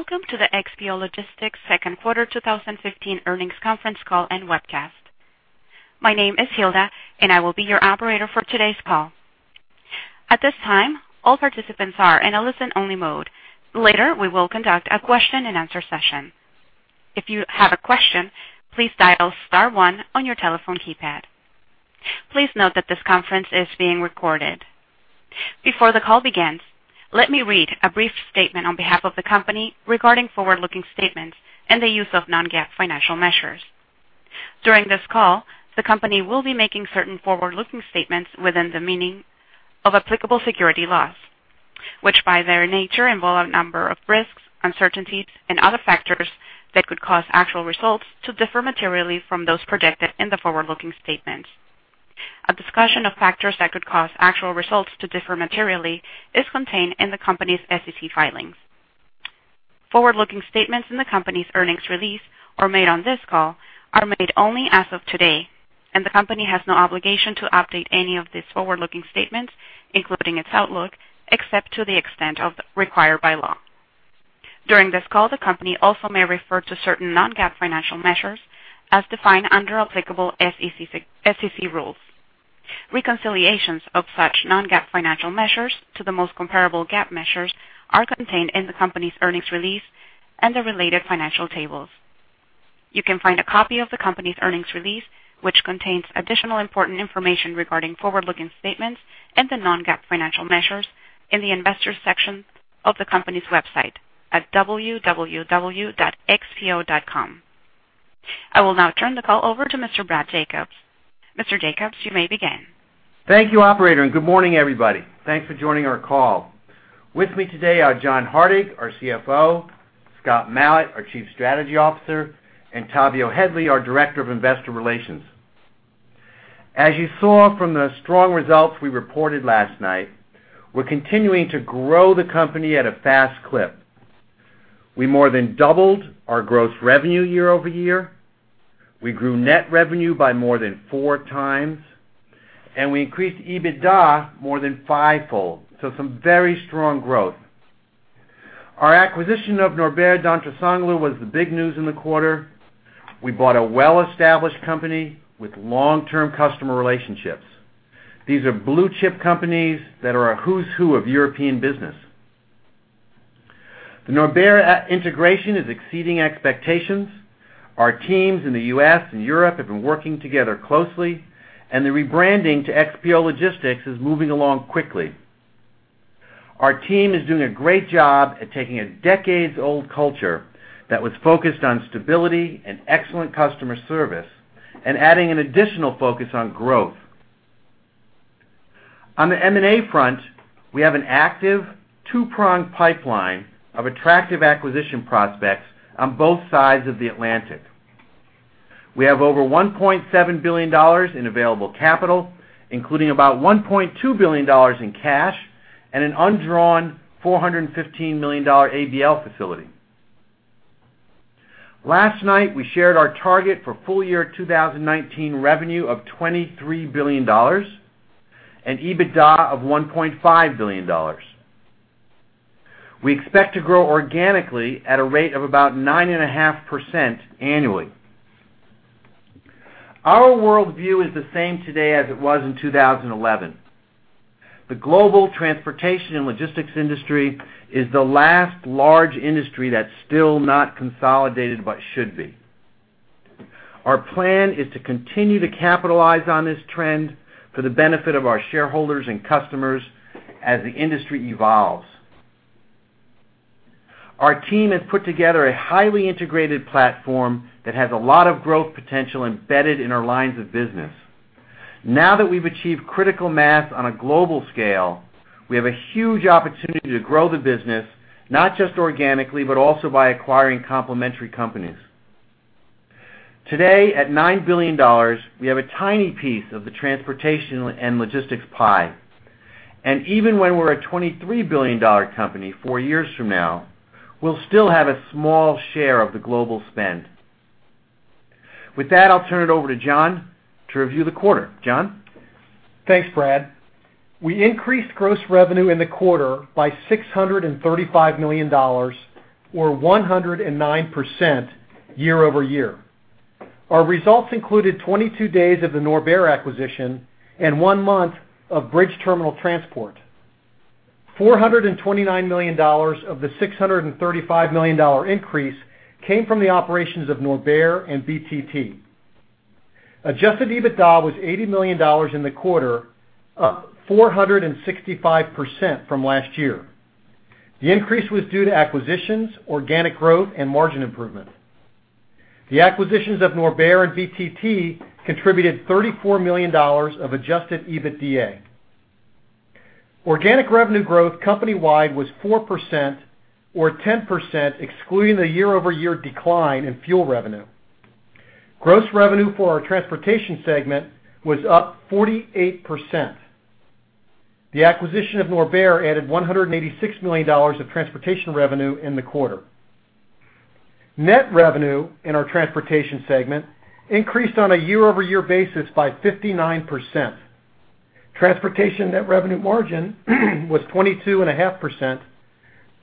Welcome to the XPO Logistics second quarter 2015 earnings conference call and webcast. My name is Hilda, and I will be your operator for today's call. At this time, all participants are in a listen-only mode. Later, we will conduct a question-and-answer session. If you have a question, please dial star one on your telephone keypad. Please note that this conference is being recorded. Before the call begins, let me read a brief statement on behalf of the company regarding forward-looking statements and the use of non-GAAP financial measures. During this call, the company will be making certain forward-looking statements within the meaning of applicable securities laws, which, by their nature, involve a number of risks, uncertainties, and other factors that could cause actual results to differ materially from those predicted in the forward-looking statements. A discussion of factors that could cause actual results to differ materially is contained in the company's SEC filings. Forward-looking statements in the company's earnings release or made on this call are made only as of today, and the company has no obligation to update any of these forward-looking statements, including its outlook, except to the extent required by law. During this call, the company also may refer to certain non-GAAP financial measures as defined under applicable SEC rules. Reconciliations of such non-GAAP financial measures to the most comparable GAAP measures are contained in the company's earnings release and the related financial tables. You can find a copy of the company's earnings release, which contains additional important information regarding forward-looking statements and the non-GAAP financial measures, in the Investors section of the company's website at www.xpo.com. I will now turn the call over to Mr. Brad Jacobs. Mr. Jacobs, you may begin. Thank you, operator, and good morning, everybody. Thanks for joining our call. With me today are John Hardig, our CFO, Scott Malat, our Chief Strategy Officer, and Tavio Headley, our Director of Investor Relations. As you saw from the strong results we reported last night, we're continuing to grow the company at a fast clip. We more than doubled our gross revenue year-over-year. We grew net revenue by more than four times, and we increased EBITDA more than fivefold, so some very strong growth. Our acquisition of Norbert Dentressangle was the big news in the quarter. We bought a well-established company with long-term customer relationships. These are blue-chip companies that are a who's who of European business. The Norbert integration is exceeding expectations. Our teams in the U.S. and Europe have been working together closely, and the rebranding to XPO Logistics is moving along quickly. Our team is doing a great job at taking a decades-old culture that was focused on stability and excellent customer service and adding an additional focus on growth. On the M&A front, we have an active two-pronged pipeline of attractive acquisition prospects on both sides of the Atlantic. We have over $1.7 billion in available capital, including about $1.2 billion in cash and an undrawn $415 million ABL facility. Last night, we shared our target for full year 2019 revenue of $23 billion and EBITDA of $1.5 billion. We expect to grow organically at a rate of about 9.5% annually. Our world view is the same today as it was in 2011. The global transportation and logistics industry is the last large industry that's still not consolidated, but should be. Our plan is to continue to capitalize on this trend for the benefit of our shareholders and customers as the industry evolves. Our team has put together a highly integrated platform that has a lot of growth potential embedded in our lines of business. Now that we've achieved critical mass on a global scale, we have a huge opportunity to grow the business, not just organically, but also by acquiring complementary companies. Today, at $9 billion, we have a tiny piece of the transportation and logistics pie, and even when we're a $23 billion company 4 years from now, we'll still have a small share of the global spend. With that, I'll turn it over to John to review the quarter. John? Thanks, Brad. We increased gross revenue in the quarter by $635 million, or 109% year-over-year. Our results included 22 days of the Norbert acquisition and 1 month of Bridge Terminal Transport. $429 million of the $635 million increase came from the operations of Norbert and BTT. Adjusted EBITDA was $80 million in the quarter, up 465% from last year. The increase was due to acquisitions, organic growth, and margin improvement. The acquisitions of Norbert and BTT contributed $34 million of adjusted EBITDA. Organic revenue growth company-wide was 4%, or 10%, excluding the year-over-year decline in fuel revenue. Gross revenue for our transportation segment was up 48%. The acquisition of Norbert added $186 million of transportation revenue in the quarter. Net revenue in our transportation segment increased on a year-over-year basis by 59%. Transportation net revenue margin was 22.5%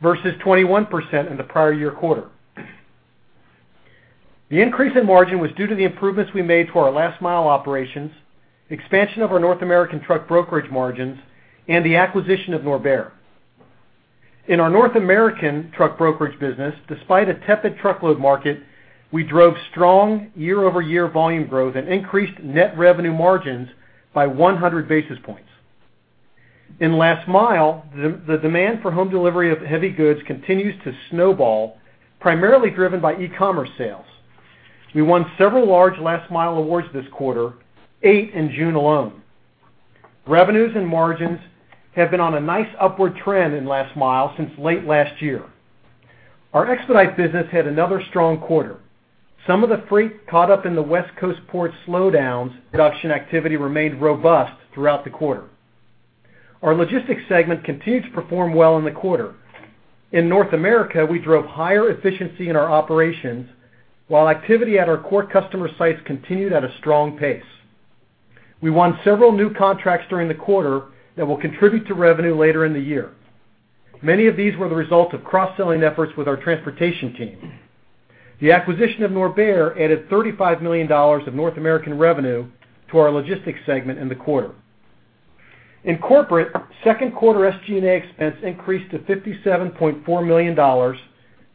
versus 21% in the prior year quarter. The increase in margin was due to the improvements we made to our last mile operations, expansion of our North American truck brokerage margins, and the acquisition of Norbert. In our North American truck brokerage business, despite a tepid truckload market, we drove strong year-over-year volume growth and increased net revenue margins by 100 basis points. In last mile, the demand for home delivery of heavy goods continues to snowball, primarily driven by e-commerce sales. We won several large last mile awards this quarter, eight in June alone. Revenues and margins have been on a nice upward trend in last mile since late last year. Our expedite business had another strong quarter. Some of the freight caught up in the West Coast port slowdowns. Production activity remained robust throughout the quarter. Our logistics segment continued to perform well in the quarter. In North America, we drove higher efficiency in our operations, while activity at our core customer sites continued at a strong pace. We won several new contracts during the quarter that will contribute to revenue later in the year. Many of these were the result of cross-selling efforts with our transportation team. The acquisition of Norbert added $35 million of North American revenue to our logistics segment in the quarter. In corporate, second quarter SG&A expense increased to $57.4 million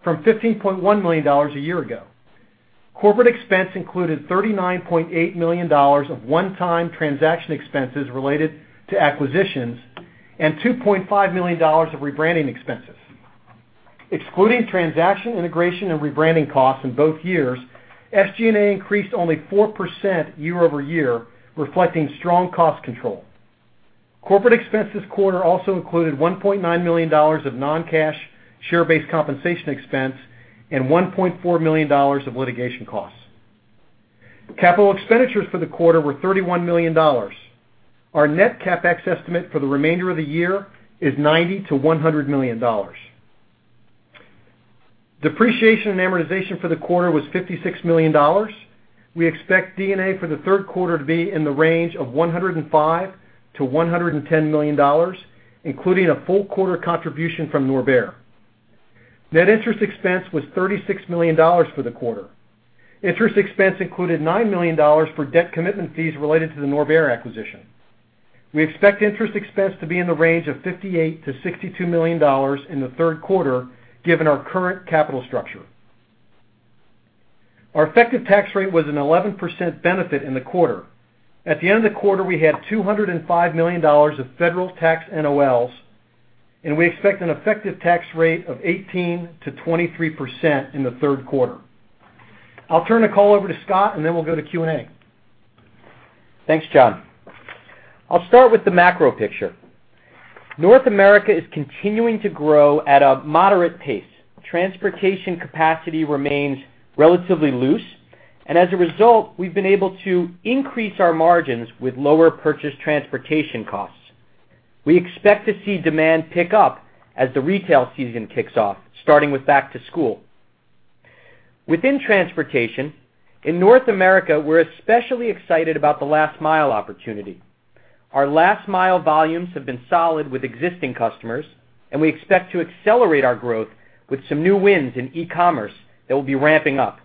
from $15.1 million a year ago. Corporate expense included $39.8 million of one-time transaction expenses related to acquisitions, and $2.5 million of rebranding expenses. Excluding transaction, integration, and rebranding costs in both years, SG&A increased only 4% year-over-year, reflecting strong cost control. Corporate expense this quarter also included $1.9 million of non-cash share-based compensation expense and $1.4 million of litigation costs. Capital expenditures for the quarter were $31 million. Our net CapEx estimate for the remainder of the year is $90 million-$100 million. Depreciation and amortization for the quarter was $56 million. We expect D&A for the third quarter to be in the range of $105 million-$110 million, including a full quarter contribution from Norbert. Net interest expense was $36 million for the quarter. Interest expense included $9 million for debt commitment fees related to the Norbert acquisition. We expect interest expense to be in the range of $58 million-$62 million in the third quarter, given our current capital structure. Our effective tax rate was an 11% benefit in the quarter. At the end of the quarter, we had $205 million of federal tax NOLs, and we expect an effective tax rate of 18%-23% in the third quarter. I'll turn the call over to Scott, and then we'll go to Q&A. Thanks, John. I'll start with the macro picture. North America is continuing to grow at a moderate pace. Transportation capacity remains relatively loose, and as a result, we've been able to increase our margins with lower purchase transportation costs. We expect to see demand pick up as the retail season kicks off, starting with back to school. Within transportation, in North America, we're especially excited about the last mile opportunity. Our last mile volumes have been solid with existing customers, and we expect to accelerate our growth with some new wins in e-commerce that will be ramping up.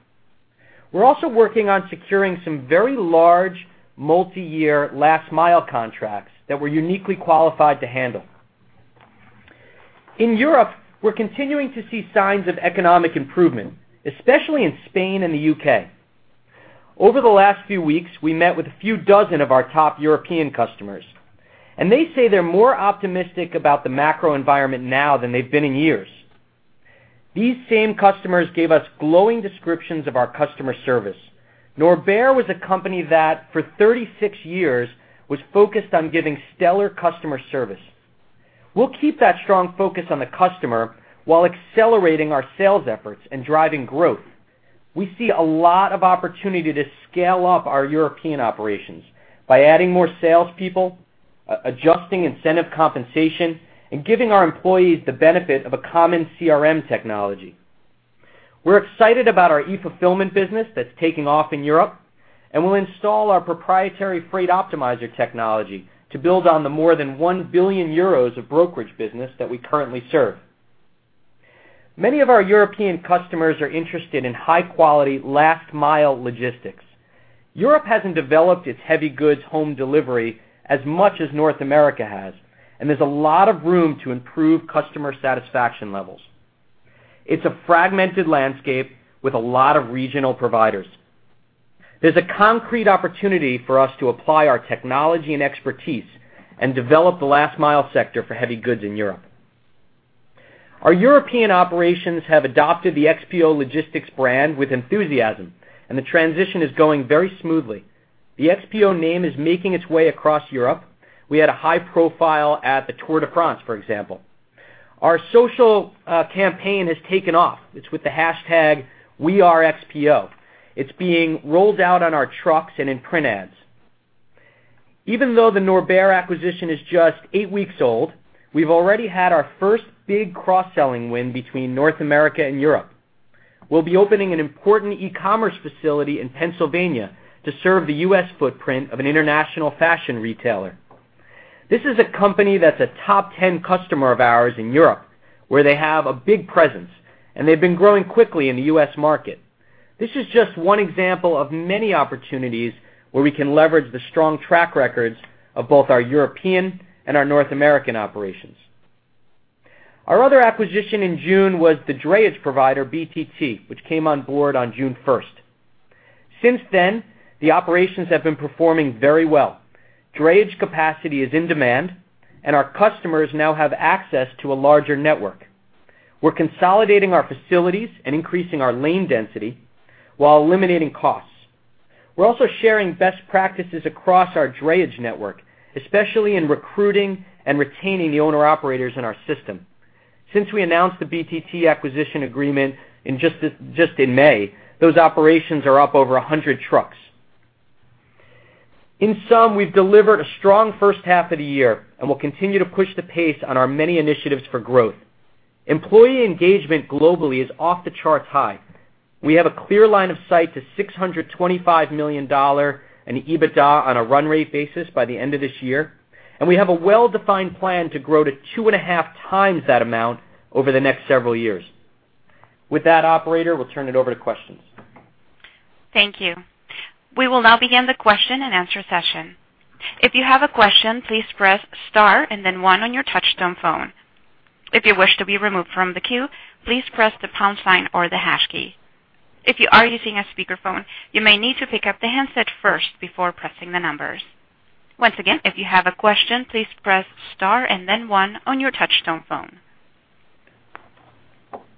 We're also working on securing some very large, multi-year last mile contracts that we're uniquely qualified to handle. In Europe, we're continuing to see signs of economic improvement, especially in Spain and the UK. Over the last few weeks, we met with a few dozen of our top European customers, and they say they're more optimistic about the macro environment now than they've been in years. These same customers gave us glowing descriptions of our customer service. Norbert was a company that, for 36 years, was focused on giving stellar customer service. We'll keep that strong focus on the customer while accelerating our sales efforts and driving growth. We see a lot of opportunity to scale up our European operations by adding more salespeople, adjusting incentive compensation, and giving our employees the benefit of a common CRM technology. We're excited about our e-fulfillment business that's taking off in Europe, and we'll install our proprietary Freight Optimizer technology to build on the more than 1 billion euros of brokerage business that we currently serve. Many of our European customers are interested in high-quality last-mile logistics. Europe hasn't developed its heavy goods home delivery as much as North America has, and there's a lot of room to improve customer satisfaction levels. It's a fragmented landscape with a lot of regional providers. There's a concrete opportunity for us to apply our technology and expertise and develop the last mile sector for heavy goods in Europe. Our European operations have adopted the XPO Logistics brand with enthusiasm, and the transition is going very smoothly. The XPO name is making its way across Europe. We had a high profile at the Tour de France, for example. Our social campaign has taken off. It's with the hashtag #WeAreXPO. It's being rolled out on our trucks and in print ads.... Even though the Norbert acquisition is just eight weeks old, we've already had our first big cross-selling win between North America and Europe. We'll be opening an important e-commerce facility in Pennsylvania to serve the U.S. footprint of an international fashion retailer. This is a company that's a top 10 customer of ours in Europe, where they have a big presence, and they've been growing quickly in the U.S. market. This is just one example of many opportunities where we can leverage the strong track records of both our European and our North American operations. Our other acquisition in June was the drayage provider, BTT, which came on board on June first. Since then, the operations have been performing very well. Drayage capacity is in demand, and our customers now have access to a larger network. We're consolidating our facilities and increasing our lane density while eliminating costs. We're also sharing best practices across our drayage network, especially in recruiting and retaining the owner-operators in our system. Since we announced the BTT acquisition agreement just in May, those operations are up over 100 trucks. In sum, we've delivered a strong first half of the year and will continue to push the pace on our many initiatives for growth. Employee engagement globally is off the charts high. We have a clear line of sight to $625 million in EBITDA on a run rate basis by the end of this year, and we have a well-defined plan to grow to 2.5 times that amount over the next several years. With that, operator, we'll turn it over to questions. Thank you. We will now begin the question-and-answer session. If you have a question, please press star and then one on your touchtone phone. If you wish to be removed from the queue, please press the pound sign or the hash key. If you are using a speakerphone, you may need to pick up the handset first before pressing the numbers. Once again, if you have a question, please press star and then one on your touchtone phone.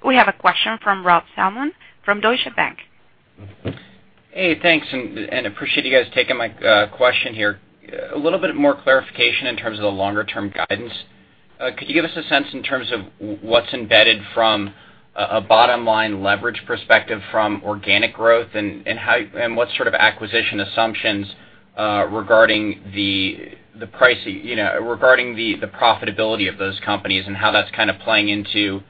We have a question from Rob Salmon from Deutsche Bank. Hey, thanks, and appreciate you guys taking my question here. A little bit more clarification in terms of the longer-term guidance. Could you give us a sense in terms of what's embedded from a bottom line leverage perspective from organic growth and how, and what sort of acquisition assumptions regarding the price, you know, regarding the profitability of those companies and how that's kind of playing into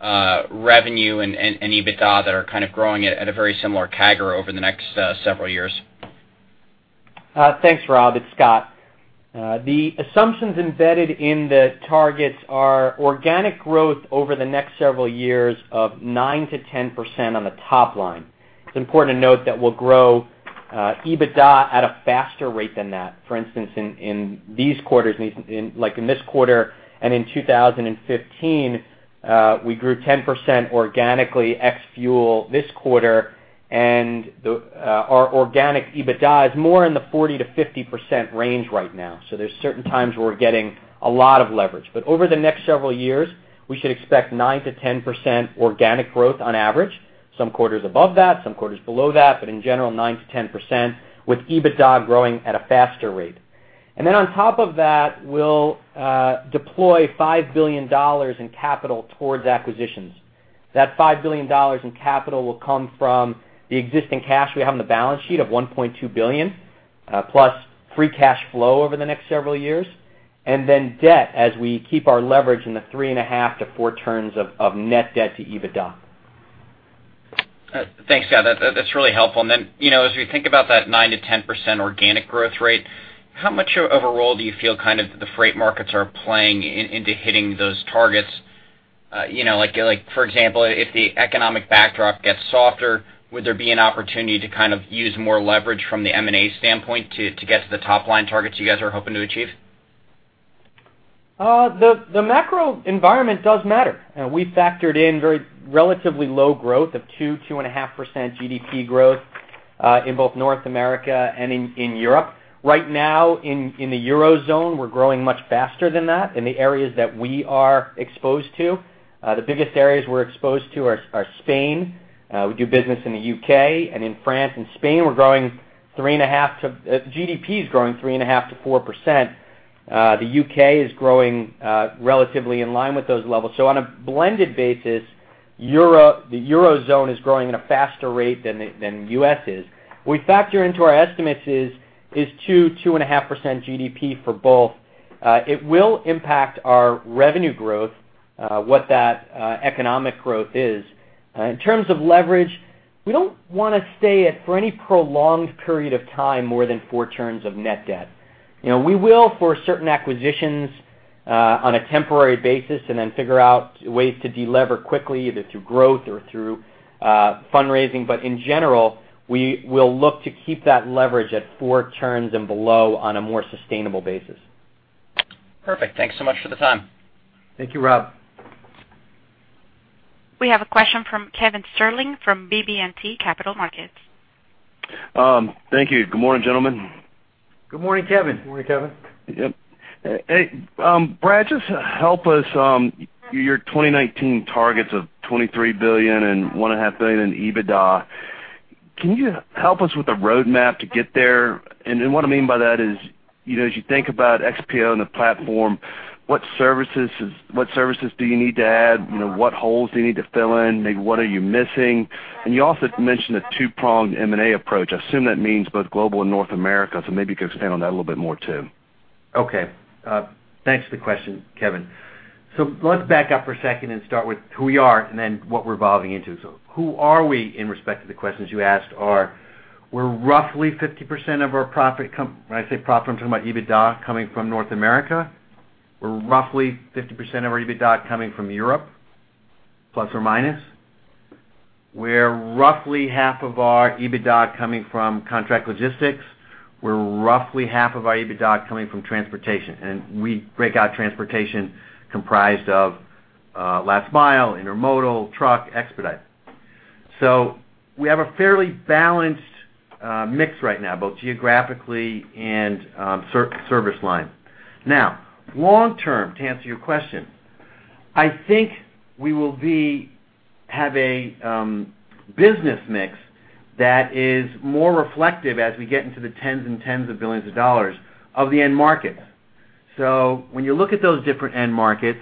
revenue and EBITDA that are kind of growing at a very similar CAGR over the next several years? Thanks, Rob. It's Scott. The assumptions embedded in the targets are organic growth over the next several years of 9%-10% on the top line. It's important to note that we'll grow EBITDA at a faster rate than that. For instance, in these quarters, like, in this quarter and in 2015, we grew 10% organically ex-fuel this quarter, and our organic EBITDA is more in the 40%-50% range right now. So there's certain times we're getting a lot of leverage. But over the next several years, we should expect 9%-10% organic growth on average, some quarters above that, some quarters below that, but in general, 9%-10%, with EBITDA growing at a faster rate. Then on top of that, we'll deploy $5 billion in capital towards acquisitions. That $5 billion in capital will come from the existing cash we have on the balance sheet of $1.2 billion, plus free cash flow over the next several years, and then debt as we keep our leverage in the 3.5-4 turns of net debt to EBITDA. Thanks, Scott. That, that's really helpful. And then, you know, as we think about that 9%-10% organic growth rate, how much of a role do you feel kind of the freight markets are playing in, into hitting those targets? You know, like, for example, if the economic backdrop gets softer, would there be an opportunity to kind of use more leverage from the M&A standpoint to, to get to the top line targets you guys are hoping to achieve? The macro environment does matter. We factored in very relatively low growth of 2%-2.5% GDP growth in both North America and Europe. Right now, in the Eurozone, we're growing much faster than that in the areas that we are exposed to. The biggest areas we're exposed to are Spain. We do business in the UK and in France and Spain. We're growing 3.5% to GDP is growing 3.5%-4%. The UK is growing relatively in line with those levels. So on a blended basis, Europe, the Eurozone is growing at a faster rate than the US is. We factor into our estimates is 2%-2.5% GDP for both. It will impact our revenue growth, what that economic growth is. In terms of leverage, we don't want to stay at, for any prolonged period of time, more than four turns of net debt. You know, we will, for certain acquisitions, on a temporary basis, and then figure out ways to delever quickly, either through growth or through, fundraising. But in general, we will look to keep that leverage at four turns and below on a more sustainable basis. Perfect. Thanks so much for the time. Thank you, Rob. We have a question from Kevin Sterling from BB&T Capital Markets. Thank you. Good morning, gentlemen. Good morning, Kevin. Good morning, Kevin. Yep. Hey, Brad, just help us, your 2019 targets of $23 billion and $1.5 billion in EBITDA, can you help us with the roadmap to get there? And then what I mean by that is, you know, as you think about XPO and the platform. What services, what services do you need to add? You know, what holes do you need to fill in? Maybe what are you missing? And you also mentioned a two-pronged M&A approach. I assume that means both global and North America. So maybe you could expand on that a little bit more, too. Okay. Thanks for the question, Kevin. So let's back up for a second and start with who we are and then what we're evolving into. So who are we in respect to the questions you asked are, we're roughly 50% of our profit coming from North America when I say profit, I'm talking about EBITDA, coming from North America. We're roughly 50% of our EBITDA coming from Europe, plus or minus. We're roughly half of our EBITDA coming from contract logistics. We're roughly half of our EBITDA coming from transportation, and we break out transportation comprised of last mile, intermodal, truck, expedite. So we have a fairly balanced mix right now, both geographically and service line. Now, long term, to answer your question, I think we will have a business mix that is more reflective as we get into the tens and tens of billions of dollars of the end market. So when you look at those different end markets,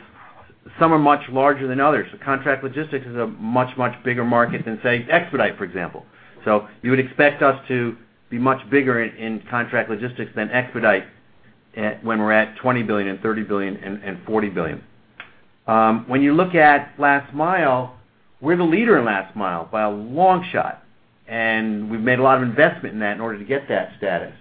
some are much larger than others. So contract logistics is a much, much bigger market than, say, expedite, for example. So you would expect us to be much bigger in contract logistics than expedite when we're at $20 billion and $30 billion and $40 billion. When you look at last mile, we're the leader in last mile by a long shot, and we've made a lot of investment in that in order to get that status.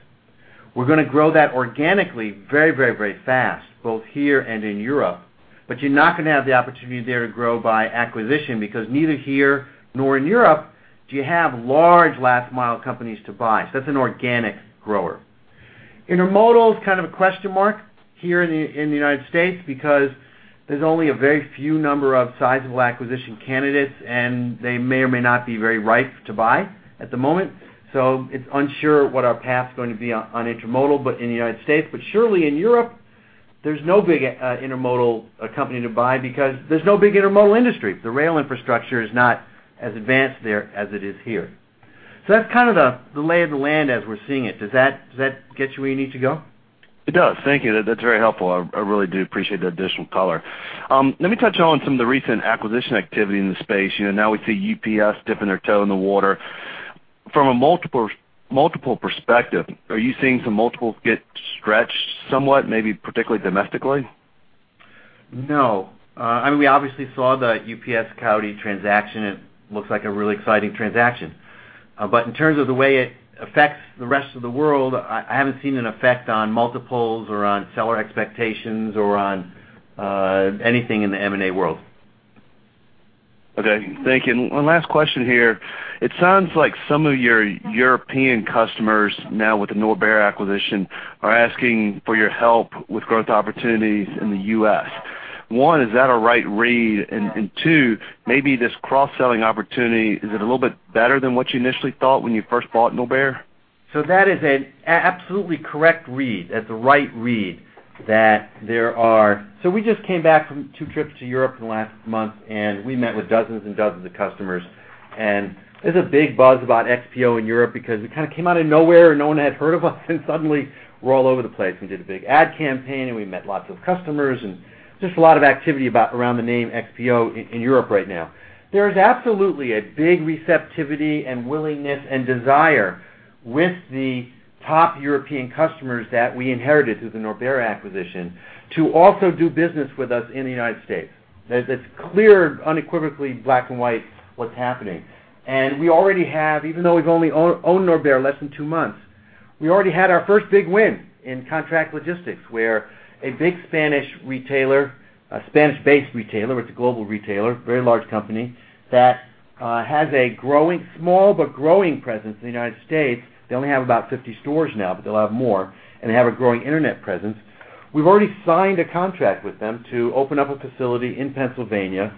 We're gonna grow that organically, very, very, very fast, both here and in Europe. But you're not gonna have the opportunity there to grow by acquisition, because neither here nor in Europe do you have large last mile companies to buy. So that's an organic grower. Intermodal is kind of a question mark here in the United States, because there's only a very few number of sizable acquisition candidates, and they may or may not be very ripe to buy at the moment. So it's unsure what our path is going to be on intermodal, but in the United States. But surely in Europe, there's no big intermodal company to buy because there's no big intermodal industry. The rail infrastructure is not as advanced there as it is here. So that's kind of the lay of the land as we're seeing it. Does that get you where you need to go? It does. Thank you. That's very helpful. I really do appreciate the additional color. Let me touch on some of the recent acquisition activity in the space. You know, now we see UPS dipping their toe in the water. From a multiple perspective, are you seeing some multiples get stretched somewhat, maybe particularly domestically? No. I mean, we obviously saw the UPS/Coyote transaction. It looks like a really exciting transaction. But in terms of the way it affects the rest of the world, I, I haven't seen an effect on multiples or on seller expectations or on anything in the M&A world. Okay. Thank you. One last question here: It sounds like some of your European customers, now with the Norbert acquisition, are asking for your help with growth opportunities in the U.S. One, is that a right read? And, and two, maybe this cross-selling opportunity, is it a little bit better than what you initially thought when you first bought Norbert? So that is an absolutely correct read. That's the right read, that there are. So we just came back from two trips to Europe in the last month, and we met with dozens and dozens of customers, and there's a big buzz about XPO in Europe because it kind of came out of nowhere, and no one had heard of us, and suddenly we're all over the place. We did a big ad campaign, and we met lots of customers, and just a lot of activity around the name XPO in Europe right now. There is absolutely a big receptivity and willingness and desire with the top European customers that we inherited through the Norbert acquisition to also do business with us in the United States. There's a clear, unequivocal, black-and-white [view of] what's happening. We already have, even though we've only owned Norbert less than two months, we already had our first big win in contract logistics, where a big Spanish retailer, a Spanish-based retailer, it's a global retailer, very large company, that has a growing, small but growing presence in the United States. They only have about 50 stores now, but they'll have more, and they have a growing internet presence. We've already signed a contract with them to open up a facility in Pennsylvania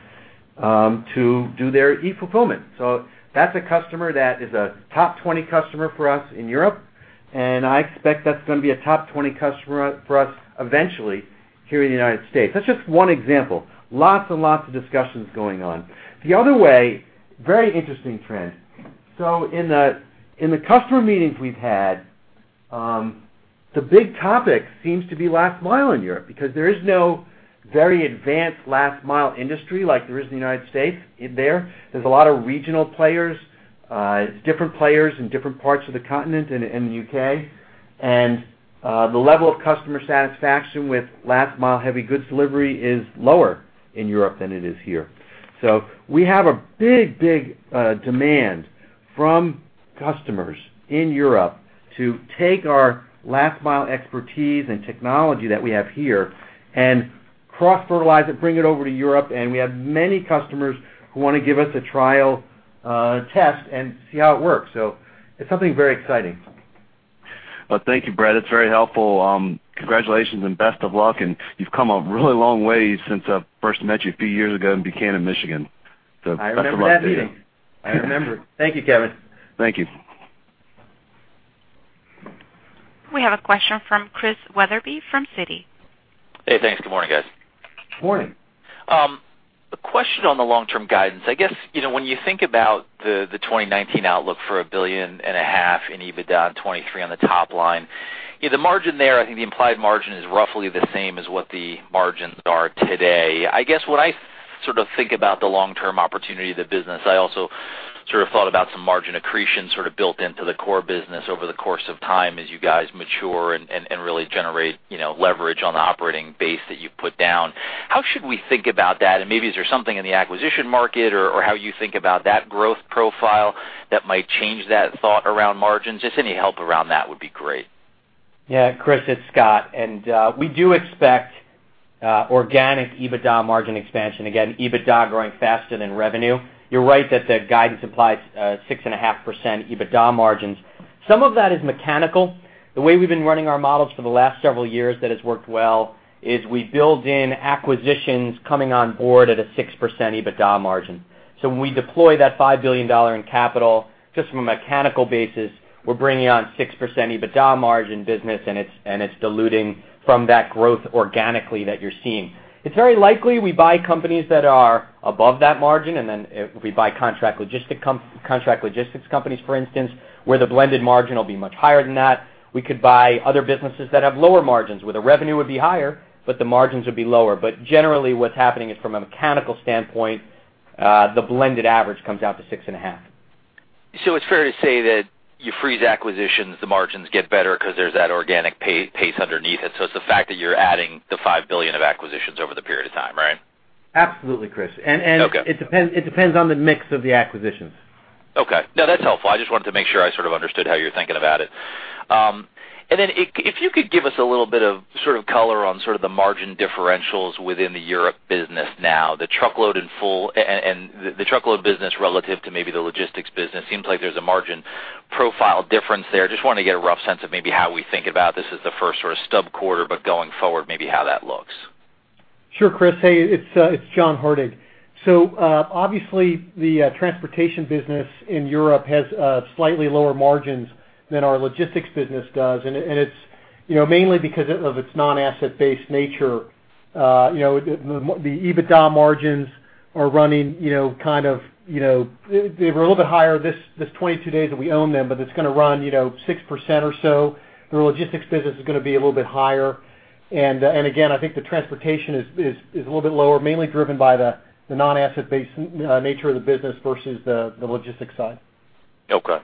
to do their e-fulfillment. So that's a customer that is a top 20 customer for us in Europe, and I expect that's gonna be a top 20 customer for us eventually here in the United States. That's just one example. Lots and lots of discussions going on. The other way, very interesting trend. So in the customer meetings we've had, the big topic seems to be last mile in Europe, because there is no very advanced last mile industry like there is in the United States there. There's a lot of regional players, different players in different parts of the continent and in the UK. And, the level of customer satisfaction with last mile heavy goods delivery is lower in Europe than it is here. So we have a big, big, demand from customers in Europe to take our last mile expertise and technology that we have here and cross-fertilize it, bring it over to Europe, and we have many customers who want to give us a trial, test and see how it works. So it's something very exciting. Well, thank you, Brett. It's very helpful. Congratulations and best of luck, and you've come a really long way since I first met you a few years ago in Buchanan, Michigan. I remember that meeting. Best of luck to you. I remember. Thank you, Kevin. Thank you. We have a question from Chris Wetherbee, from Citi. Hey, thanks. Good morning, guys.... Morning. A question on the long-term guidance. I guess, you know, when you think about the 2019 outlook for $1.5 billion in EBITDA and $2.3 billion on the top line, you know, the margin there, I think the implied margin is roughly the same as what the margins are today. I guess when I sort of think about the long-term opportunity of the business, I also sort of thought about some margin accretion sort of built into the core business over the course of time as you guys mature and really generate, you know, leverage on the operating base that you've put down. How should we think about that? And maybe is there something in the acquisition market or how you think about that growth profile that might change that thought around margins? Just any help around that would be great. Yeah, Chris, it's Scott, and we do expect organic EBITDA margin expansion. Again, EBITDA growing faster than revenue. You're right that the guidance implies 6.5% EBITDA margins. Some of that is mechanical. The way we've been running our models for the last several years that has worked well is we build in acquisitions coming on board at a 6% EBITDA margin. So when we deploy that $5 billion in capital, just from a mechanical basis, we're bringing on 6% EBITDA margin business, and it's diluting from that growth organically that you're seeing. It's very likely we buy companies that are above that margin, and then we buy contract logistics companies, for instance, where the blended margin will be much higher than that. We could buy other businesses that have lower margins, where the revenue would be higher, but the margins would be lower. Generally, what's happening is from a mechanical standpoint, the blended average comes out to 6.5. So it's fair to say that you freeze acquisitions, the margins get better 'cause there's that organic pace underneath it. So it's the fact that you're adding the $5 billion of acquisitions over the period of time, right? Absolutely, Chris. Okay. It depends, it depends on the mix of the acquisitions. Okay. No, that's helpful. I just wanted to make sure I sort of understood how you're thinking about it. And then if you could give us a little bit of sort of color on sort of the margin differentials within the Europe business now, the truckload and the truckload business relative to maybe the logistics business. Seems like there's a margin profile difference there. Just want to get a rough sense of maybe how we think about this as the first sort of stub quarter, but going forward, maybe how that looks. Sure, Chris. Hey, it's John Hardig. So, obviously, the transportation business in Europe has slightly lower margins than our logistics business does. And it's, you know, mainly because of its non-asset-based nature. You know, the EBITDA margins are running, you know, kind of, you know, they're a little bit higher this 22 days that we own them, but it's going to run, you know, 6% or so. The logistics business is going to be a little bit higher. And again, I think the transportation is a little bit lower, mainly driven by the non-asset-based nature of the business versus the logistics side. Okay. Okay,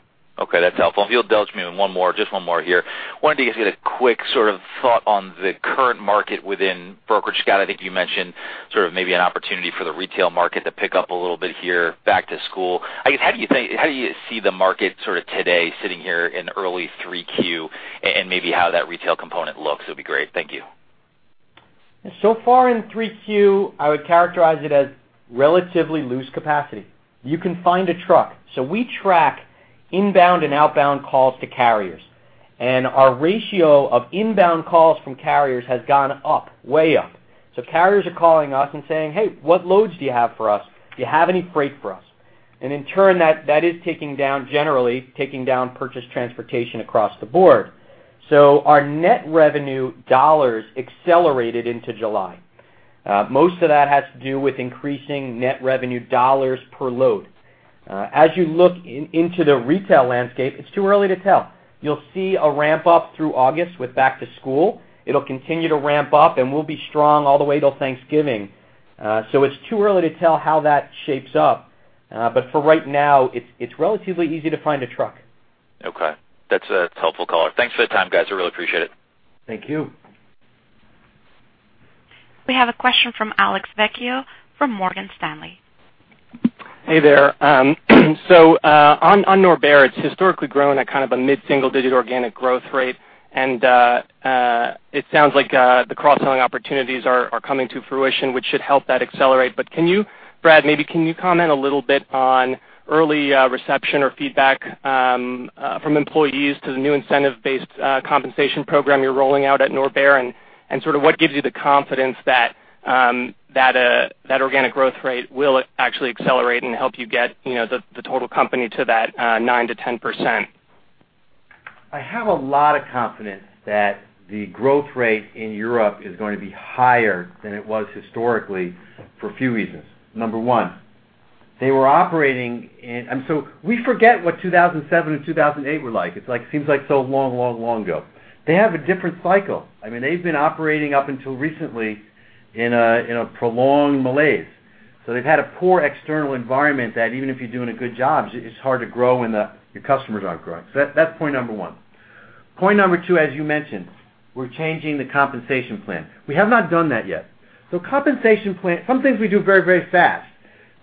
that's helpful. If you'll indulge me in one more, just one more here. Wanted to get a quick sort of thought on the current market within brokerage. Scott, I think you mentioned sort of maybe an opportunity for the retail market to pick up a little bit here, back to school. I guess, how do you think, how do you see the market sort of today sitting here in early 3Q, and maybe how that retail component looks would be great. Thank you. So far in 3Q, I would characterize it as relatively loose capacity. You can find a truck. So we track inbound and outbound calls to carriers, and our ratio of inbound calls from carriers has gone up, way up. So carriers are calling us and saying, "Hey, what loads do you have for us? Do you have any freight for us?" And in turn, that is taking down, generally taking down purchase transportation across the board. So our net revenue dollars accelerated into July. Most of that has to do with increasing net revenue dollars per load. As you look into the retail landscape, it's too early to tell. You'll see a ramp-up through August with back to school. It'll continue to ramp up, and we'll be strong all the way till Thanksgiving. So it's too early to tell how that shapes up, but for right now, it's relatively easy to find a truck. Okay. That's a helpful call. Thanks for the time, guys. I really appreciate it. Thank you. We have a question from Alex Vecchio from Morgan Stanley. Hey there. So, on Norbert, it's historically grown at kind of a mid-single-digit organic growth rate, and it sounds like the cross-selling opportunities are coming to fruition, which should help that accelerate. But can you, Brad, maybe comment a little bit on early reception or feedback from employees to the new incentive-based compensation program you're rolling out at Norbert? And sort of what gives you the confidence that that organic growth rate will actually accelerate and help you get, you know, the total company to that 9%-10%? I have a lot of confidence that the growth rate in Europe is going to be higher than it was historically for a few reasons. Number one, they were operating in... so we forget what 2007 and 2008 were like. It's like, seems like so long, long, long ago. They have a different cycle. I mean, they've been operating up until recently in a prolonged malaise. So they've had a poor external environment that even if you're doing a good job, it's hard to grow when your customers aren't growing. So that's point number one. Point number two, as you mentioned, we're changing the compensation plan. We have not done that yet. So compensation plan... Some things we do very, very fast.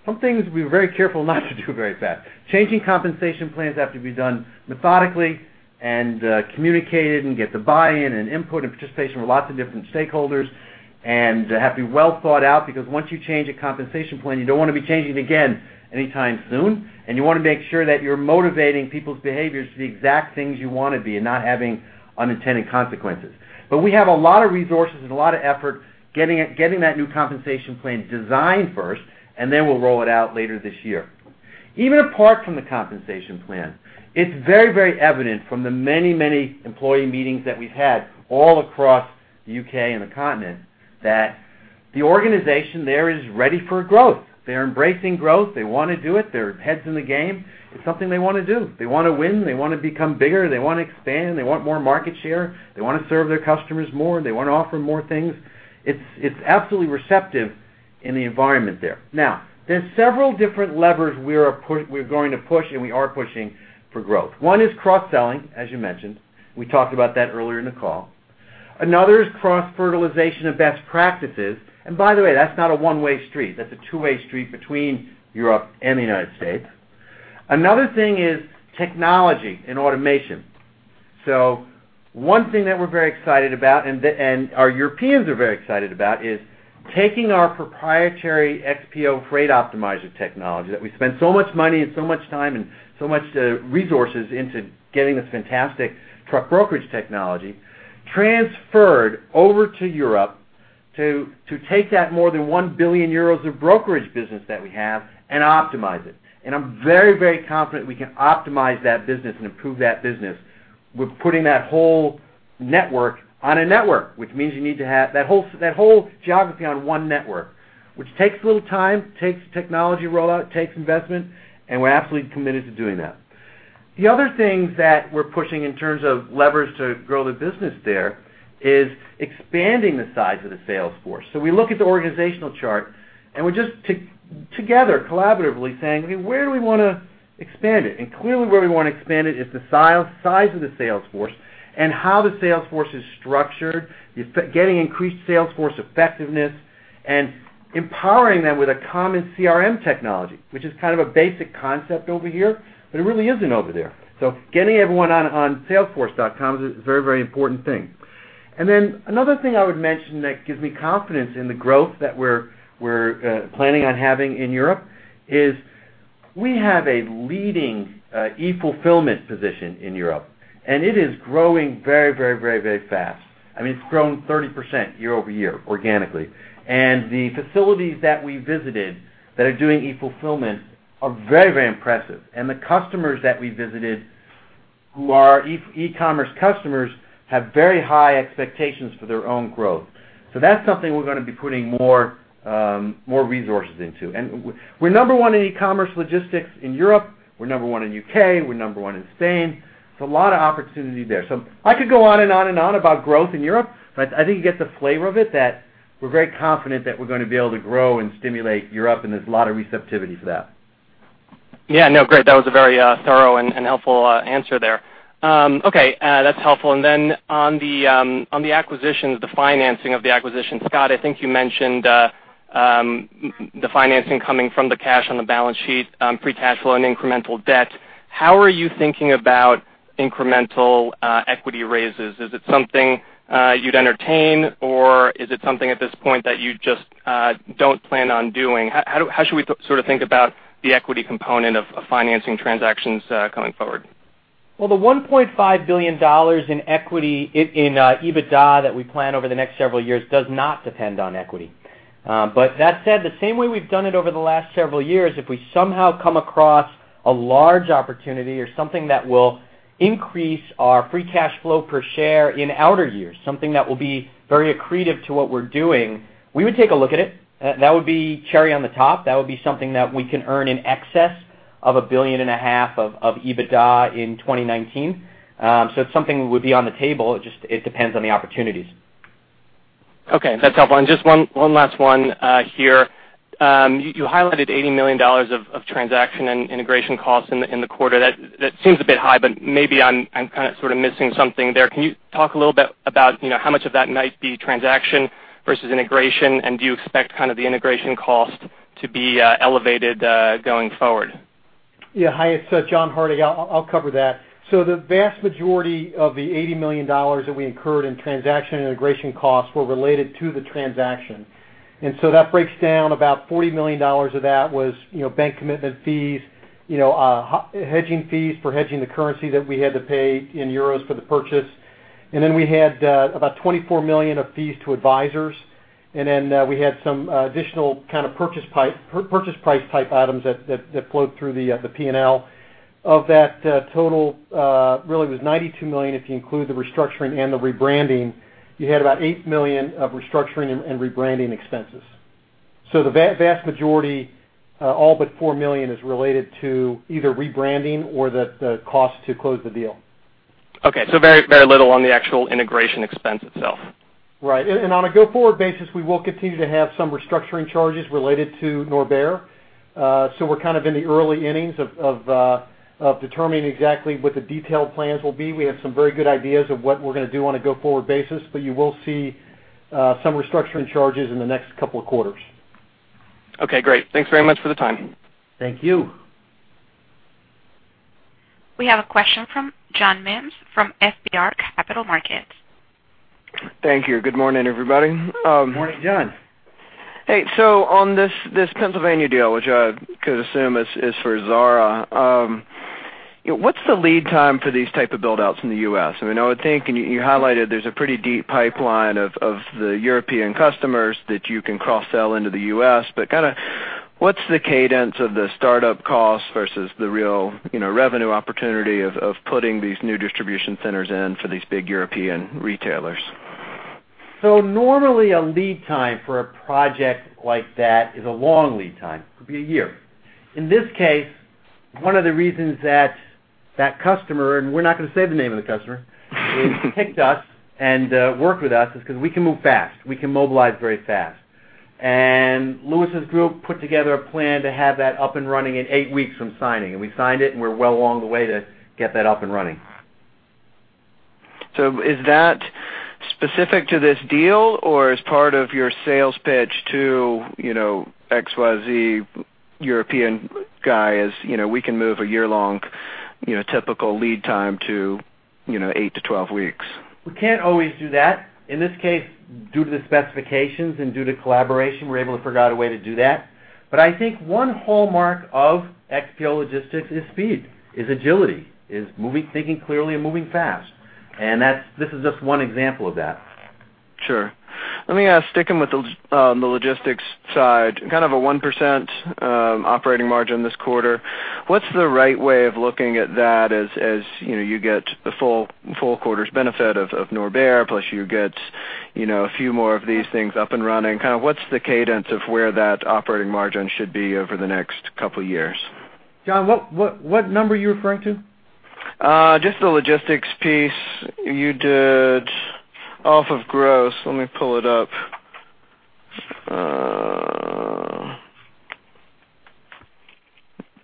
Some things we're very careful not to do very fast. Changing compensation plans have to be done methodically and communicated and get the buy-in and input and participation with lots of different stakeholders, and have to be well thought out, because once you change a compensation plan, you don't want to be changing it again anytime soon. And you want to make sure that you're motivating people's behaviors to the exact things you want to be and not having unintended consequences. But we have a lot of resources and a lot of effort getting that new compensation plan designed first, and then we'll roll it out later this year.... even apart from the compensation plan, it's very, very evident from the many, many employee meetings that we've had all across the UK and the continent, that the organization there is ready for growth. They're embracing growth. They want to do it. Their head's in the game. It's something they want to do. They want to win, they want to become bigger, they want to expand, they want more market share, they want to serve their customers more, they want to offer more things. It's, it's absolutely receptive in the environment there. Now, there's several different levers we are put- we're going to push, and we are pushing for growth. One is cross-selling, as you mentioned. We talked about that earlier in the call. Another is cross-fertilization of best practices, and by the way, that's not a one-way street. That's a two-way street between Europe and the United States. Another thing is technology and automation. So one thing that we're very excited about, and our Europeans are very excited about, is taking our proprietary XPO Freight Optimizer technology, that we spend so much money and so much time and so much resources into getting this fantastic truck brokerage technology, transferred over to Europe to take that more than 1 billion euros of brokerage business that we have and optimize it. And I'm very, very confident we can optimize that business and improve that business. We're putting that whole network on a network, which means you need to have that whole geography on one network, which takes a little time, takes technology rollout, takes investment, and we're absolutely committed to doing that. The other things that we're pushing in terms of levers to grow the business there is expanding the size of the sales force. So we look at the organizational chart, and we're just together, collaboratively saying, "Where do we wanna expand it?" And clearly, where we want to expand it is the size of the sales force and how the sales force is structured. You're getting increased sales force effectiveness and empowering them with a common CRM technology, which is kind of a basic concept over here, but it really isn't over there. So getting everyone on Salesforce.com is a very, very important thing. And then another thing I would mention that gives me confidence in the growth that we're, we're planning on having in Europe is we have a leading e-fulfillment position in Europe, and it is growing very, very, very, very fast. I mean, it's grown 30% year-over-year, organically. The facilities that we visited that are doing e-fulfillment are very, very impressive. The customers that we visited, who are e-commerce customers, have very high expectations for their own growth. So that's something we're gonna be putting more resources into. We're number one in e-commerce logistics in Europe, we're number one in UK, we're number one in Spain, so a lot of opportunity there. So I could go on and on and on about growth in Europe, but I think you get the flavor of it, that we're very confident that we're going to be able to grow and stimulate Europe, and there's a lot of receptivity for that. Yeah, no, great. That was a very thorough and helpful answer there. Okay, that's helpful. And then on the acquisitions, the financing of the acquisitions, Scott, I think you mentioned the financing coming from the cash on the balance sheet, free cash flow and incremental debt. How are you thinking about incremental equity raises? Is it something you'd entertain, or is it something at this point that you just don't plan on doing? How should we sort of think about the equity component of financing transactions coming forward? Well, the $1.5 billion in equity in EBITDA that we plan over the next several years does not depend on equity. But that said, the same way we've done it over the last several years, if we somehow come across a large opportunity or something that will increase our free cash flow per share in outer years, something that will be very accretive to what we're doing, we would take a look at it. That would be cherry on the top. That would be something that we can earn in excess of 1.5 billion of EBITDA in 2019. So it's something that would be on the table. It just, it depends on the opportunities. Okay, that's helpful. And just one, one last one, here. You, you highlighted $80 million of, of transaction and integration costs in the, in the quarter. That, that seems a bit high, but maybe I'm, I'm kind of sort of missing something there. Can you talk a little bit about, you know, how much of that might be transaction versus integration? And do you expect kind of the integration cost to be, elevated, going forward? Yeah. Hi, it's John Hardig. I'll cover that. So the vast majority of the $80 million that we incurred in transaction and integration costs were related to the transaction. And so that breaks down, about $40 million of that was, you know, bank commitment fees, you know, hedging fees for hedging the currency that we had to pay in euros for the purchase. And then we had about $24 million of fees to advisors, and then we had some additional kind of purchase price type items that flowed through the P&L. Of that total, really, it was $92 million, if you include the restructuring and the rebranding, you had about $8 million of restructuring and rebranding expenses. So the vast, vast majority, all but $4 million, is related to either rebranding or the cost to close the deal. Okay, so very, very little on the actual integration expense itself. Right. On a go-forward basis, we will continue to have some restructuring charges related to Norbert. So we're kind of in the early innings of determining exactly what the detailed plans will be. We have some very good ideas of what we're gonna do on a go-forward basis, but you will see some restructuring charges in the next couple of quarters. Okay, great. Thanks very much for the time. Thank you. We have a question from John Mims from FBR Capital Markets. Thank you. Good morning, everybody. Good morning, John. Hey, so on this Pennsylvania deal, which I could assume is for Zara. What's the lead time for these type of build-outs in the U.S.? I mean, I would think, and you highlighted there's a pretty deep pipeline of the European customers that you can cross-sell into the U.S. But kinda, what's the cadence of the startup costs versus the real, you know, revenue opportunity of putting these new distribution centers in for these big European retailers? So normally, a lead time for a project like that is a long lead time. It could be a year. In this case, one of the reasons that that customer, and we're not gonna say the name of the customer, picked us and worked with us, is 'cause we can move fast. We can mobilize very fast. And Louis's group put together a plan to have that up and running in eight weeks from signing, and we signed it, and we're well along the way to get that up and running. Is that specific to this deal, or is part of your sales pitch to, you know, XYZ European guy is, you know, we can move a year-long, you know, typical lead time to, you know, 8-12 weeks? We can't always do that. In this case, due to the specifications and due to collaboration, we're able to figure out a way to do that. But I think one hallmark of XPO Logistics is speed, is agility, is moving, thinking clearly and moving fast, and that's this is just one example of that. Sure. Let me ask, sticking with the, the logistics side, kind of a 1% operating margin this quarter, what's the right way of looking at that as, as, you know, you get the full, full quarter's benefit of, of Norbert, plus you get, you know, a few more of these things up and running? Kind of what's the cadence of where that operating margin should be over the next couple years? John, what number are you referring to? Just the logistics piece you did off of gross. Let me pull it up.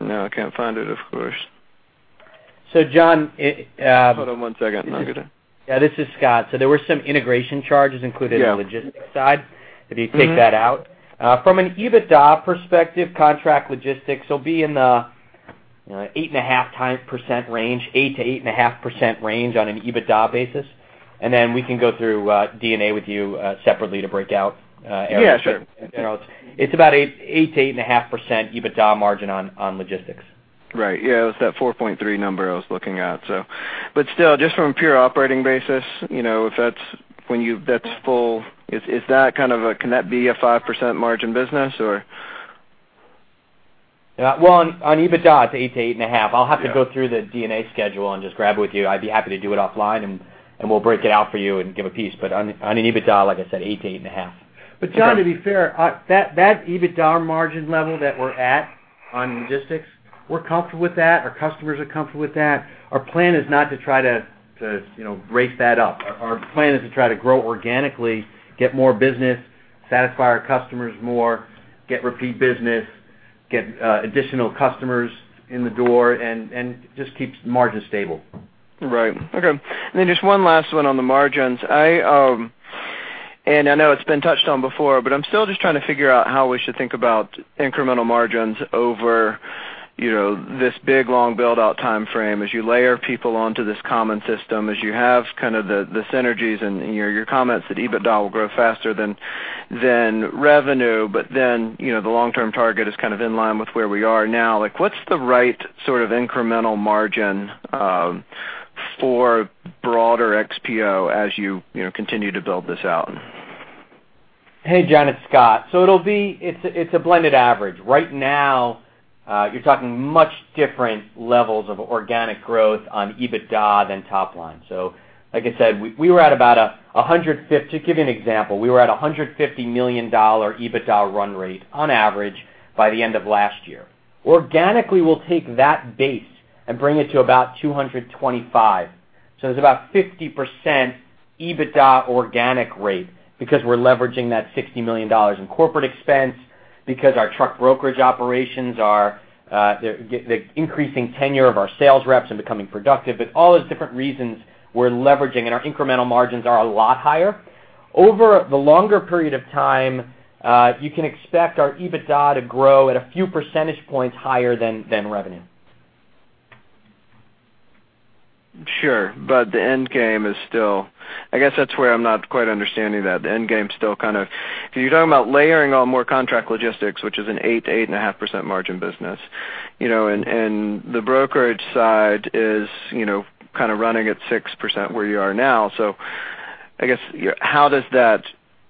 Now I can't find it, of course. So, John, it Hold on one second, and I'll get it. Yeah, this is Scott. So there were some integration charges included- Yeah... in the logistics side- Mm-hmm -If you take that out. From an EBITDA perspective, contract logistics will be in the 8%-8.5% range on an EBITDA basis. And then we can go through D&A with you separately to break out- Yeah, sure. It's about 8%-8.5% EBITDA margin on logistics. Right. Yeah, it was that 4.3 number I was looking at, so... But still, just from a pure operating basis, you know, if that's when you-- that's full, is, is that kind of a-- can that be a 5% margin business, or? Yeah. Well, on EBITDA, it's 8-8.5. Yeah. I'll have to go through the D&A schedule and just grab it with you. I'd be happy to do it offline, and we'll break it out for you and give a piece. But on an EBITDA, like I said, 8-8.5. But John, to be fair, that EBITDA margin level that we're at on logistics, we're comfortable with that. Our customers are comfortable with that. Our plan is not to try to, you know, raise that up. Our plan is to try to grow organically, get more business, satisfy our customers more, get repeat business, get additional customers in the door, and just keep margins stable. Right. Okay. And then just one last one on the margins. I, and I know it's been touched on before, but I'm still just trying to figure out how we should think about incremental margins over, you know, this big, long build-out timeframe. As you layer people onto this common system, as you have kind of the, the synergies and your, your comments that EBITDA will grow faster than, than revenue, but then, you know, the long-term target is kind of in line with where we are now. Like, what's the right sort of incremental margin, for broader XPO as you, you know, continue to build this out? Hey, John, it's Scott. So it'll be. It's a blended average. Right now, you're talking much different levels of organic growth on EBITDA than top line. So like I said, we were at about $150 million EBITDA run rate on average by the end of last year. To give you an example, we were at a $150 million EBITDA run rate on average by the end of last year. Organically, we'll take that base and bring it to about $225 million. So it's about 50% EBITDA organic rate because we're leveraging that $60 million in corporate expense, because our truck brokerage operations are the increasing tenure of our sales reps and becoming productive. But all those different reasons, we're leveraging, and our incremental margins are a lot higher. Over the longer period of time, you can expect our EBITDA to grow at a few percentage points higher than revenue. Sure. But the end game is still... I guess, that's where I'm not quite understanding that. The end game is still kind of... If you're talking about layering on more contract logistics, which is an 8%-8.5% margin business, you know, and, and the brokerage side is, you know, kind of running at 6% where you are now. So I guess, your—how does that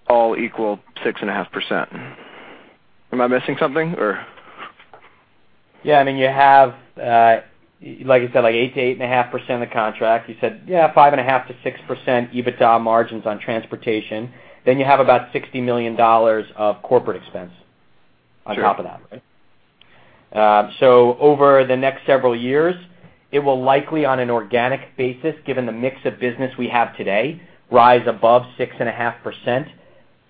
all equal 6.5%? Am I missing something, or? Yeah, I mean, you have, like I said, like 8%-8.5% of the contract. You said, yeah, 5.5%-6% EBITDA margins on transportation. Then you have about $60 million of corporate expense- Sure On top of that. So over the next several years, it will likely, on an organic basis, given the mix of business we have today, rise above 6.5%.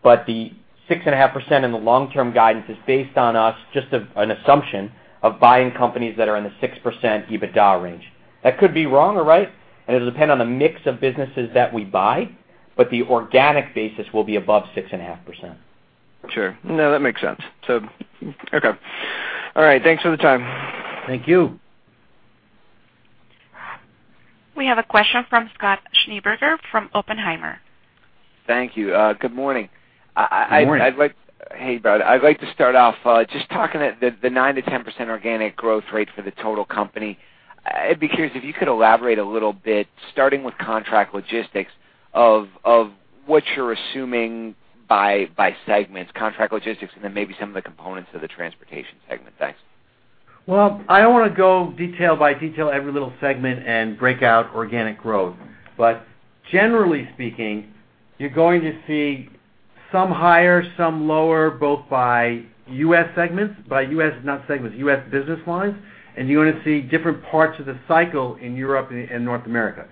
But the 6.5% in the long-term guidance is based on us, just an assumption of buying companies that are in the 6% EBITDA range. That could be wrong or right, and it'll depend on the mix of businesses that we buy, but the organic basis will be above 6.5%. Sure. No, that makes sense. So okay. All right, thanks for the time. Thank you. We have a question from Scott Schneeberger from Oppenheimer. Thank you. Good morning. Good morning. Hey, Brad. I'd like to start off just talking at the 9%-10% organic growth rate for the total company. I'd be curious if you could elaborate a little bit, starting with contract logistics, of what you're assuming by segments, contract logistics, and then maybe some of the components of the transportation segment. Thanks. Well, I don't want to go detail by detail, every little segment and break out organic growth. But generally speaking, you're going to see some higher, some lower, both by U.S. segments, by U.S., not segments, U.S. business lines, and you're going to see different parts of the cycle in Europe and in North America.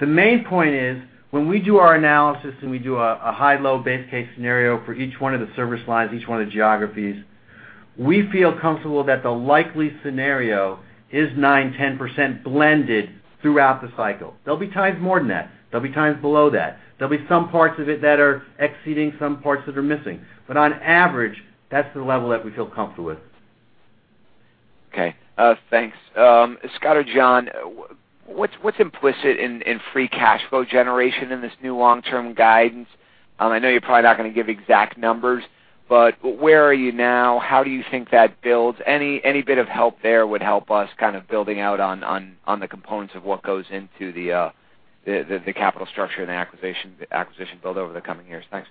The main point is, when we do our analysis and we do a high, low, base case scenario for each one of the service lines, each one of the geographies, we feel comfortable that the likely scenario is 9%-10% blended throughout the cycle. There'll be times more than that. There'll be times below that. There'll be some parts of it that are exceeding, some parts that are missing. But on average, that's the level that we feel comfortable with. Okay, thanks. Scott or John, what's implicit in free cash flow generation in this new long-term guidance? I know you're probably not going to give exact numbers, but where are you now? How do you think that builds? Any bit of help there would help us kind of building out on the components of what goes into the capital structure and the acquisition build over the coming years. Thanks.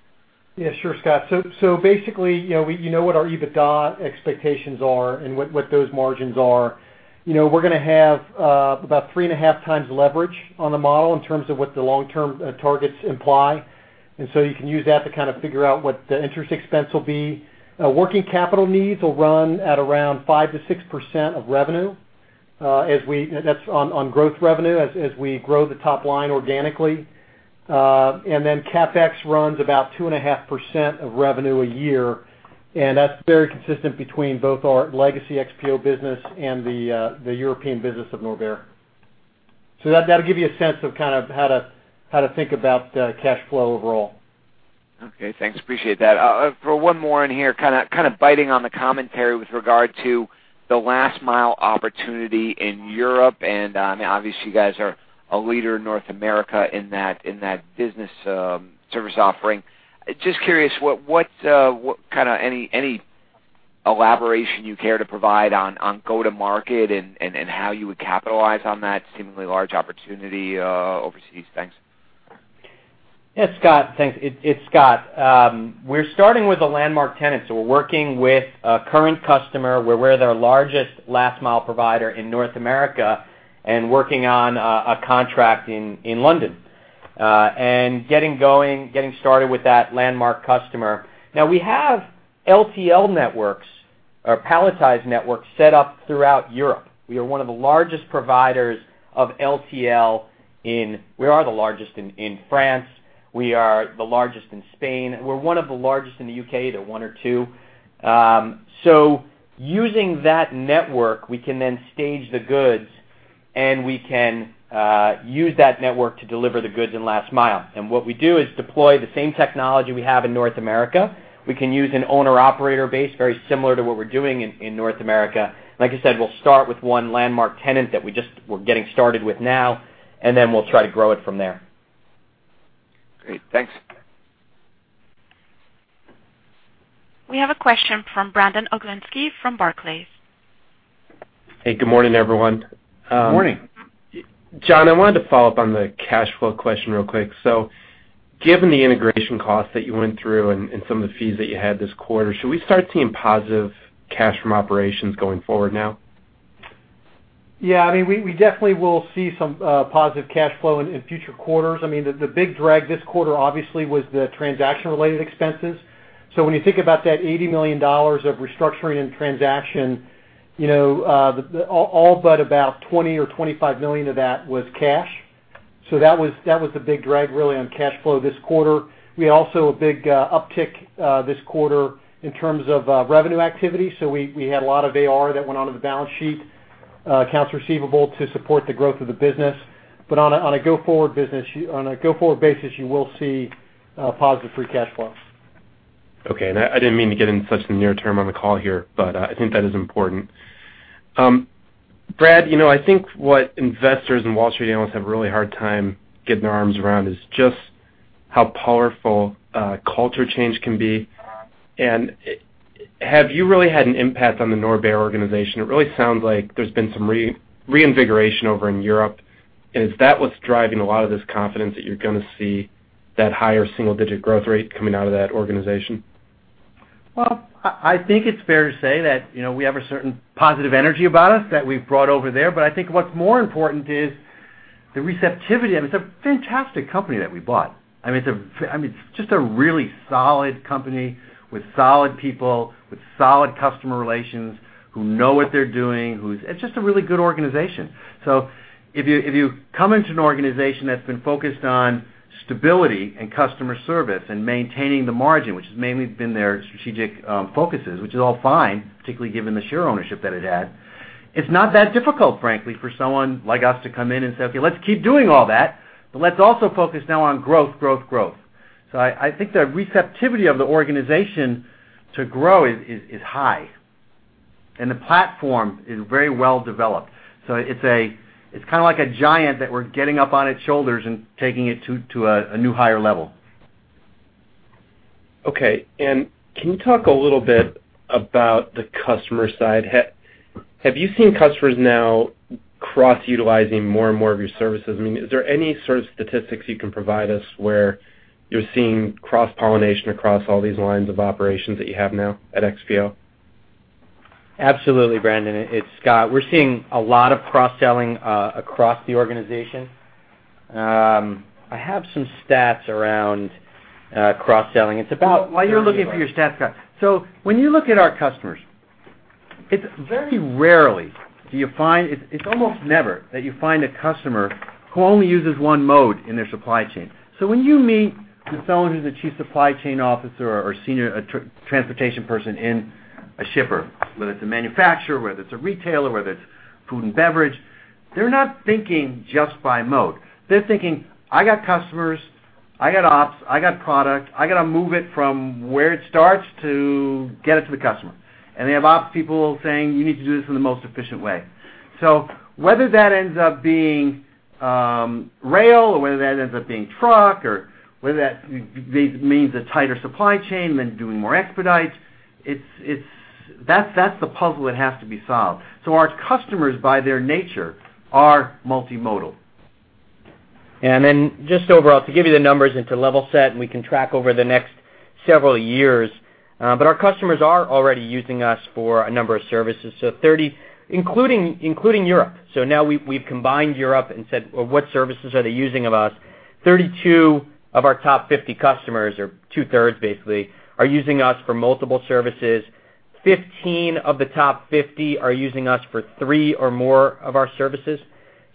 Yeah, sure, Scott. So basically, you know, you know what our EBITDA expectations are and what those margins are. You know, we're going to have about 3.5x leverage on the model in terms of what the long-term targets imply, and so you can use that to kind of figure out what the interest expense will be. Working capital needs will run at around 5%-6% of revenue as we, that's on growth revenue, as we grow the top line organically. And then CapEx runs about 2.5% of revenue a year, and that's very consistent between both our legacy XPO business and the European business of Norbert. So that'll give you a sense of kind of how to think about the cash flow overall. Okay, thanks. Appreciate that. For one more in here, kind of biting on the commentary with regard to the last mile opportunity in Europe, and obviously, you guys are a leader in North America in that business service offering. Just curious, what kind of any elaboration you care to provide on go-to-market and how you would capitalize on that seemingly large opportunity overseas? Thanks. Yeah, Scott. Thanks. It's Scott. We're starting with a landmark tenant, so we're working with a current customer, where we're their largest last mile provider in North America, and working on a contract in London. And getting going, getting started with that landmark customer. Now we have LTL networks or palletized networks set up throughout Europe. We are one of the largest providers of LTL in... We are the largest in France, we are the largest in Spain, we're one of the largest in the UK, the one or two. So using that network, we can then stage the goods, and we can use that network to deliver the goods in last mile. And what we do is deploy the same technology we have in North America. We can use an owner-operator base, very similar to what we're doing in North America. Like I said, we'll start with one landmark tenant that we're just getting started with now, and then we'll try to grow it from there. Great. Thanks. We have a question from Brandon Oglenski, from Barclays. Hey, good morning, everyone. Good morning. John, I wanted to follow up on the cash flow question real quick. Given the integration costs that you went through and some of the fees that you had this quarter, should we start seeing positive cash from operations going forward now? Yeah, I mean, we, we definitely will see some positive cash flow in future quarters. I mean, the big drag this quarter, obviously, was the transaction-related expenses. So when you think about that $80 million of restructuring and transaction, you know, the all but about 20 or 25 million of that was cash. So that was, that was the big drag, really, on cash flow this quarter. We also a big uptick this quarter in terms of revenue activity, so we, we had a lot of AR that went onto the balance sheet, accounts receivable, to support the growth of the business. But on a, on a go-forward business, you-- on a go-forward basis, you will see positive free cash flows. Okay, I didn't mean to get into such the near term on the call here, but I think that is important. Brad, you know, I think what investors and Wall Street analysts have a really hard time getting their arms around is just how powerful culture change can be. And have you really had an impact on the Norbert organization? It really sounds like there's been some reinvigoration over in Europe. And is that what's driving a lot of this confidence that you're going to see that higher single digit growth rate coming out of that organization? Well, I think it's fair to say that, you know, we have a certain positive energy about us that we've brought over there. But I think what's more important is the receptivity. I mean, it's a fantastic company that we bought. I mean, it's just a really solid company with solid people, with solid customer relations, who know what they're doing, who's... It's just a really good organization. So if you come into an organization that's been focused on stability and customer service and maintaining the margin, which has mainly been their strategic focuses, which is all fine, particularly given the share ownership that it had, it's not that difficult, frankly, for someone like us to come in and say, "Okay, let's keep doing all that, but let's also focus now on growth, growth, growth." So I think the receptivity of the organization to grow is high.... and the platform is very well developed. So it's kind of like a giant that we're getting up on its shoulders and taking it to a new higher level. Okay. And can you talk a little bit about the customer side? Have you seen customers now cross-utilizing more and more of your services? I mean, is there any sort of statistics you can provide us where you're seeing cross-pollination across all these lines of operations that you have now at XPO? Absolutely, Brandon. It's Scott. We're seeing a lot of cross-selling across the organization. I have some stats around cross-selling. It's about- While you're looking for your stats, Scott, so when you look at our customers, it's very rarely do you find, it's almost never that you find a customer who only uses one mode in their supply chain. So when you meet the fellow who's a chief supply chain officer or senior transportation person in a shipper, whether it's a manufacturer, whether it's a retailer, whether it's food and beverage, they're not thinking just by mode. They're thinking, "I got customers, I got ops, I got product. I got to move it from where it starts to get it to the customer." And they have ops people saying, "You need to do this in the most efficient way." So whether that ends up being rail, or whether that ends up being truck, or whether that means a tighter supply chain, then doing more expedites, it's, it's-- that's, that's the puzzle that has to be solved. So our customers, by their nature, are multimodal. Then just overall, to give you the numbers and to level set, and we can track over the next several years, but our customers are already using us for a number of services, so 30 including Europe. So now we've combined Europe and said, "Well, what services are they using of us?" 32 of our top 50 customers, or two-thirds, basically, are using us for multiple services. 15 of the top 50 are using us for 3 or more of our services.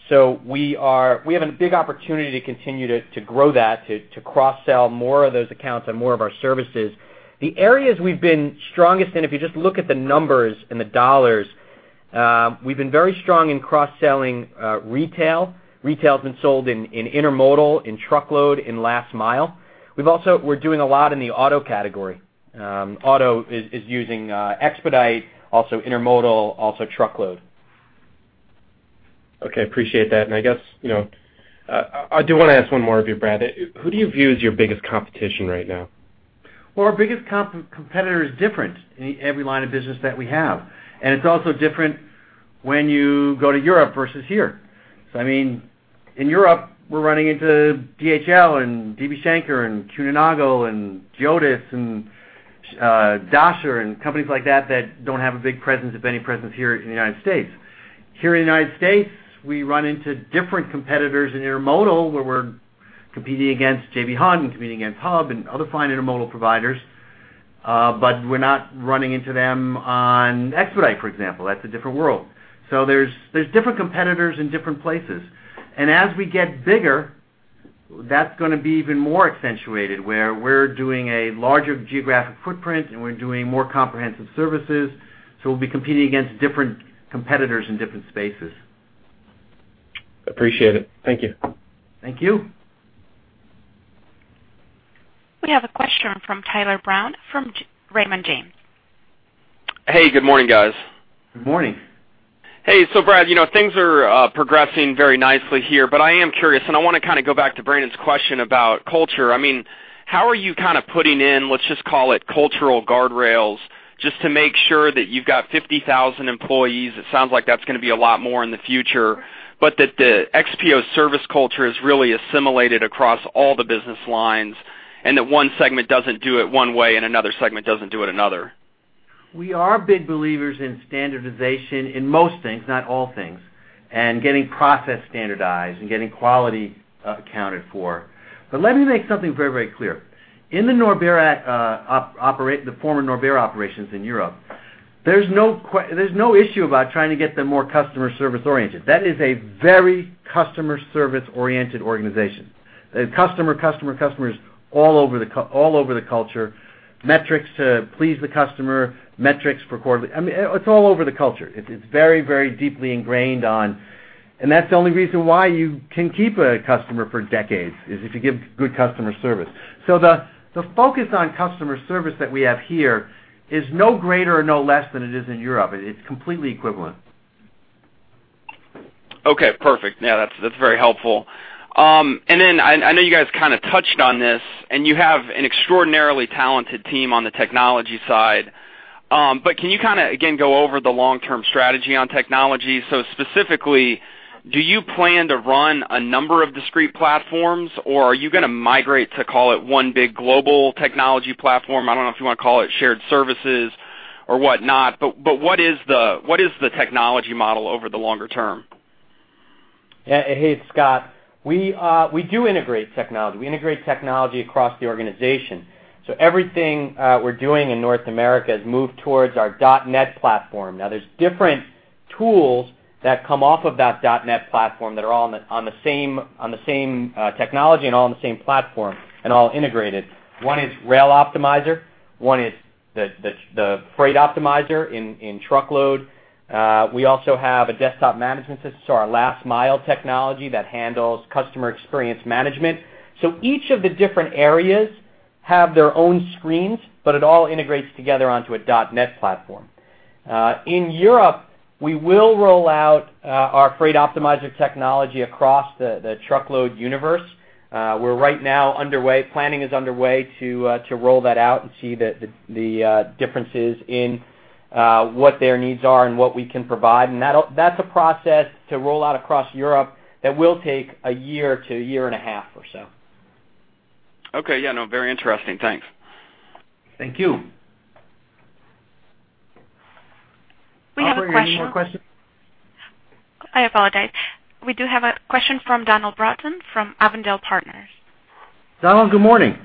So we are. We have a big opportunity to continue to grow that, to cross-sell more of those accounts on more of our services. The areas we've been strongest in, if you just look at the numbers and the dollars, we've been very strong in cross-selling retail. Retail has been sold in intermodal, in truckload, in last mile. We've also—we're doing a lot in the auto category. Auto is using expedite, also intermodal, also truckload. Okay, appreciate that. I guess, you know, I do want to ask one more of you, Brad. Who do you view as your biggest competition right now? Well, our biggest competitor is different in every line of business that we have, and it's also different when you go to Europe versus here. So I mean, in Europe, we're running into DHL and DB Schenker and CEVA Logistics and Geodis and Dachser and companies like that, that don't have a big presence, if any presence here in the United States. Here in the United States, we run into different competitors in intermodal, where we're competing against J.B. Hunt and competing against Hub and other fine intermodal providers. But we're not running into them on expedite, for example. That's a different world. So there's different competitors in different places. And as we get bigger, that's gonna be even more accentuated, where we're doing a larger geographic footprint, and we're doing more comprehensive services, so we'll be competing against different competitors in different spaces. Appreciate it. Thank you. Thank you. We have a question from Tyler Brown, from Raymond James. Hey, good morning, guys. Good morning. Hey, so Brad, you know, things are progressing very nicely here, but I am curious, and I want to kind of go back to Brandon's question about culture. I mean, how are you kind of putting in, let's just call it cultural guardrails, just to make sure that you've got 50,000 employees, it sounds like that's going to be a lot more in the future, but that the XPO service culture is really assimilated across all the business lines, and that one segment doesn't do it one way and another segment doesn't do it another? We are big believers in standardization in most things, not all things, and getting process standardized and getting quality accounted for. But let me make something very, very clear. In the Norbert operate—the former Norbert operations in Europe, there's no issue about trying to get them more customer service oriented. That is a very customer service-oriented organization. The customer, customer, customer is all over the culture. Metrics to please the customer, metrics for quarterly. I mean, it's all over the culture. It's very, very deeply ingrained, and that's the only reason why you can keep a customer for decades, is if you give good customer service. So the focus on customer service that we have here is no greater or no less than it is in Europe. It's completely equivalent. Okay, perfect. Now, that's, that's very helpful. And then I, I know you guys kind of touched on this, and you have an extraordinarily talented team on the technology side, but can you kind of, again, go over the long-term strategy on technology? So specifically, do you plan to run a number of discrete platforms, or are you going to migrate to, call it, one big global technology platform? I don't know if you want to call it shared services or whatnot, but, but what is the, what is the technology model over the longer term? Yeah. Hey, Scott, we, we do integrate technology. We integrate technology across the organization. So everything, we're doing in North America is moved towards our .NET platform. Now, there's different tools that come off of that .NET platform that are all on the, on the same, on the same, technology and all on the same platform and all integrated. One is Rail Optimizer, one is the, the, the Freight Optimizer in, in Truckload. We also have a desktop management system, so our Last Mile technology that handles customer experience management. So each of the different areas- ... have their own screens, but it all integrates together onto a dot net platform. In Europe, we will roll out our Freight Optimizer technology across the truckload universe. We're right now underway—planning is underway to roll that out and see the differences in what their needs are and what we can provide. That's a process to roll out across Europe that will take a year to a year and a half or so. Okay. Yeah, no, very interesting. Thanks. Thank you. We have a question- Any more questions? I apologize. We do have a question from Donald Broughton from Avondale Partners. Donald, good morning.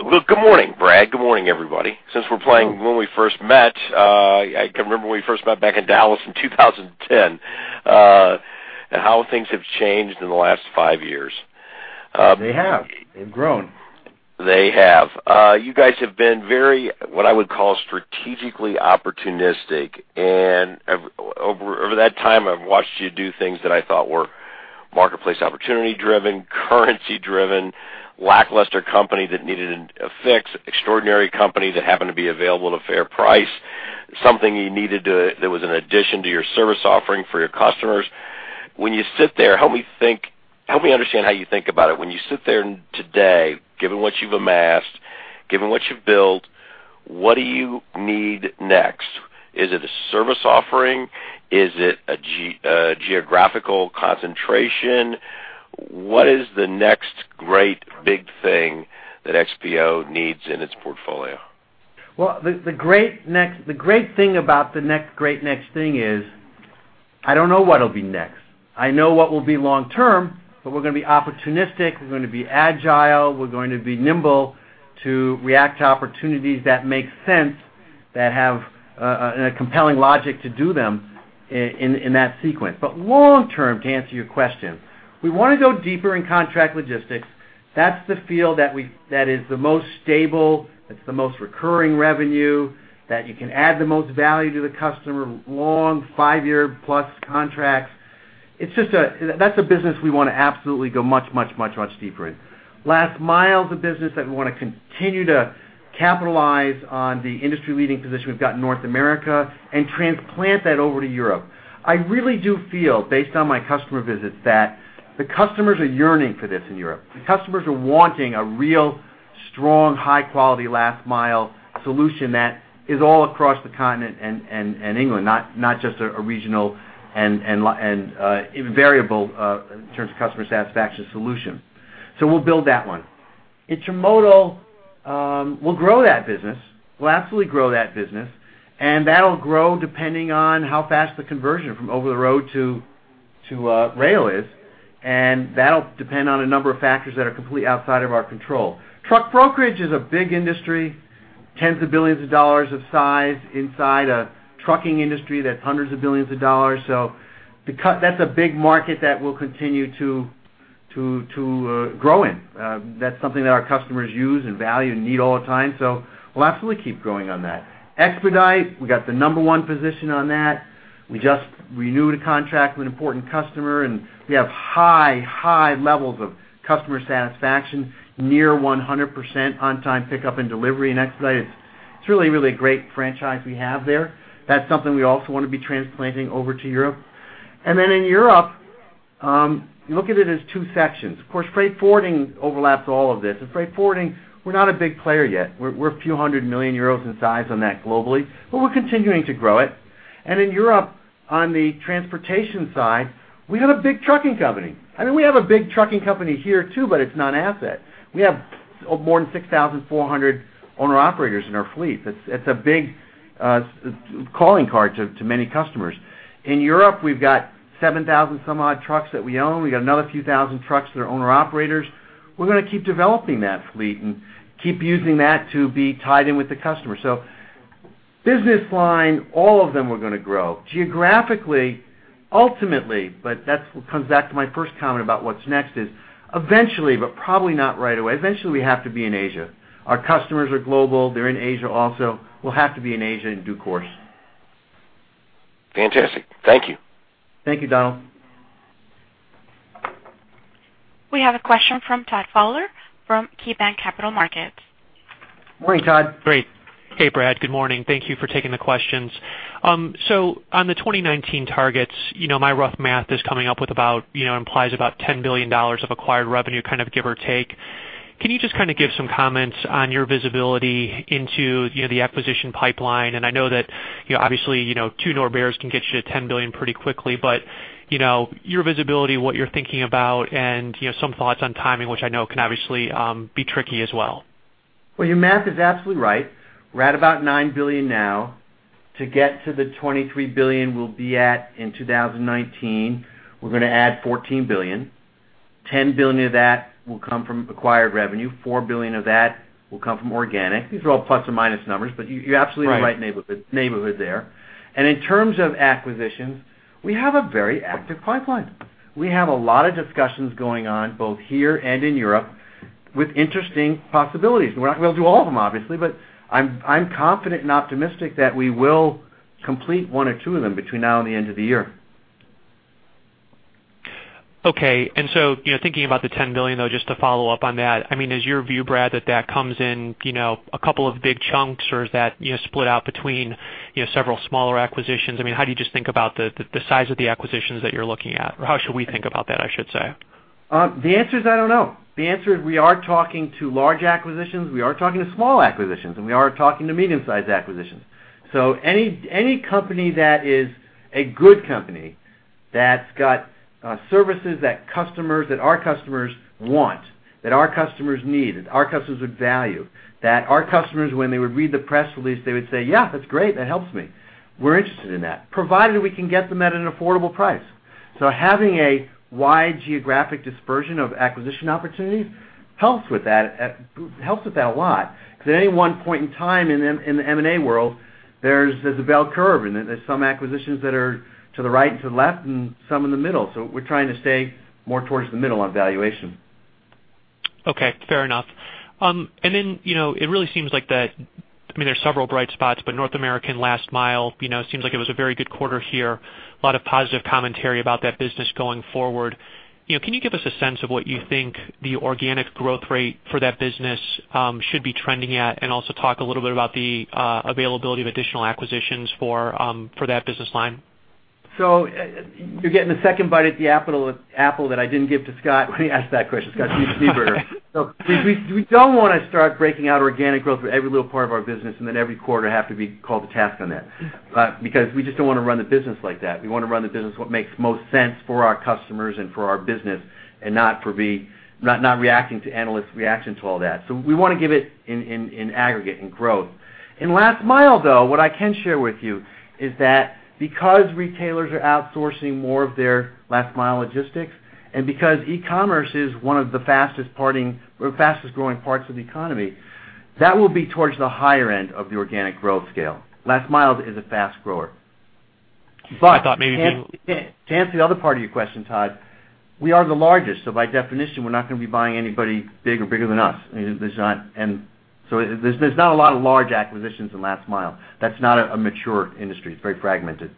Look, good morning, Brad. Good morning, everybody. Since we're playing when we first met, I can remember when we first met back in Dallas in 2010, and how things have changed in the last five years. They have. They've grown. They have. You guys have been very, what I would call, strategically opportunistic, and over that time, I've watched you do things that I thought were marketplace opportunity-driven, currency-driven, lackluster company that needed a fix, extraordinary company that happened to be available at a fair price, something you needed to, that was an addition to your service offering for your customers. When you sit there, help me think, help me understand how you think about it. When you sit there today, given what you've amassed, given what you've built, what do you need next? Is it a service offering? Is it a geographical concentration? What is the next great big thing that XPO needs in its portfolio? Well, the great thing about the next great next thing is, I don't know what'll be next. I know what will be long term, but we're going to be opportunistic, we're going to be agile, we're going to be nimble to react to opportunities that make sense, that have a compelling logic to do them in, in that sequence. But long term, to answer your question, we want to go deeper in contract logistics. That's the field that is the most stable, it's the most recurring revenue, that you can add the most value to the customer, long five-year-plus contracts. It's just that's a business we wanna absolutely go much, much, much, much deeper in. Last mile is a business that we wanna continue to capitalize on the industry-leading position we've got in North America and transplant that over to Europe. I really do feel, based on my customer visits, that the customers are yearning for this in Europe. The customers are wanting a real strong, high-quality last mile solution that is all across the continent and England, not just a regional and variable in terms of customer satisfaction solution. So we'll build that one. Intermodal, we'll grow that business. We'll absolutely grow that business, and that'll grow depending on how fast the conversion from over the road to rail is, and that'll depend on a number of factors that are completely outside of our control. Truck brokerage is a big industry, tens of billions of dollars of size inside a trucking industry that's hundreds of billions of dollars. So because that's a big market that we'll continue to grow in, that's something that our customers use and value and need all the time, so we'll absolutely keep growing on that. Expedite, we got the number one position on that. We just renewed a contract with an important customer, and we have high, high levels of customer satisfaction, near 100% on time pickup and delivery in Expedite. It's really, really a great franchise we have there. That's something we also want to be transplanting over to Europe. And then in Europe, look at it as two sections. Of course, freight forwarding overlaps all of this. In freight forwarding, we're not a big player yet. We're a few hundred million EUR in size on that globally, but we're continuing to grow it. In Europe, on the transportation side, we have a big trucking company. I mean, we have a big trucking company here, too, but it's not asset. We have more than 6,400 owner-operators in our fleet. It's a big calling card to many customers. In Europe, we've got 7,000 some odd trucks that we own. We got another few thousand trucks that are owner-operators. We're going to keep developing that fleet and keep using that to be tied in with the customer. So business line, all of them are going to grow. Geographically, ultimately, but that's what comes back to my first comment about what's next is, eventually, but probably not right away, eventually, we have to be in Asia. Our customers are global. They're in Asia also. We'll have to be in Asia in due course. Fantastic. Thank you. Thank you, Donald. We have a question from Todd Fowler from KeyBank Capital Markets. Morning, Todd. Great. Hey, Brad, good morning. Thank you for taking the questions. So on the 2019 targets, you know, my rough math is coming up with about, you know, implies about $10 billion of acquired revenue, kind of give or take. Can you just kind of give some comments on your visibility into, you know, the acquisition pipeline? And I know that, you know, obviously, you know, two Norberts can get you to $10 billion pretty quickly, but, you know, your visibility, what you're thinking about and, you know, some thoughts on timing, which I know can obviously be tricky as well. Well, your math is absolutely right. We're at about $9 billion now. To get to the $23 billion we'll be at in 2019, we're going to add $14 billion. $10 billion of that will come from acquired revenue, $4 billion of that will come from organic. These are all ± numbers, but you're absolutely- Right. in the right neighborhood, neighborhood there. In terms of acquisitions, we have a very active pipeline. We have a lot of discussions going on, both here and in Europe, with interesting possibilities. We're not going to be able to do all of them, obviously, but I'm, I'm confident and optimistic that we will complete one or two of them between now and the end of the year. ... Okay, and so, you know, thinking about the $10 billion, though, just to follow up on that, I mean, is your view, Brad, that that comes in, you know, a couple of big chunks, or is that, you know, split out between, you know, several smaller acquisitions? I mean, how do you just think about the, the size of the acquisitions that you're looking at? Or how should we think about that, I should say? The answer is, I don't know. The answer is we are talking to large acquisitions, we are talking to small acquisitions, and we are talking to medium-sized acquisitions. So any, any company that is a good company, that's got services that customers, that our customers want, that our customers need, that our customers would value, that our customers, when they would read the press release, they would say, "Yeah, that's great. That helps me," we're interested in that, provided we can get them at an affordable price. So having a wide geographic dispersion of acquisition opportunities helps with that, helps with that a lot. Because at any one point in time in the, in the M&A world, there's, there's a bell curve, and there's some acquisitions that are to the right and to the left and some in the middle. We're trying to stay more toward the middle on valuation. Okay, fair enough. And then, you know, it really seems like that, I mean, there are several bright spots, but North American last mile, you know, seems like it was a very good quarter here. A lot of positive commentary about that business going forward. You know, can you give us a sense of what you think the organic growth rate for that business should be trending at? And also talk a little bit about the availability of additional acquisitions for that business line. So, you're getting a second bite at the apple that I didn't give to Scott Schneeberger when he asked that question. So we don't want to start breaking out organic growth for every little part of our business, and then every quarter have to be called to task on that. Because we just don't want to run the business like that. We want to run the business what makes most sense for our customers and for our business, and not for me, not reacting to analysts' reactions to all that. So we want to give it in aggregate, in growth. In last mile, though, what I can share with you is that because retailers are outsourcing more of their last mile logistics, and because e-commerce is one of the fastest growing parts of the economy, that will be towards the higher end of the organic growth scale. Last mile is a fast grower. I thought maybe- But to answer the other part of your question, Todd, we are the largest, so by definition, we're not going to be buying anybody big or bigger than us. There's not... And so there's not a lot of large acquisitions in last mile. That's not a mature industry. It's very fragmented.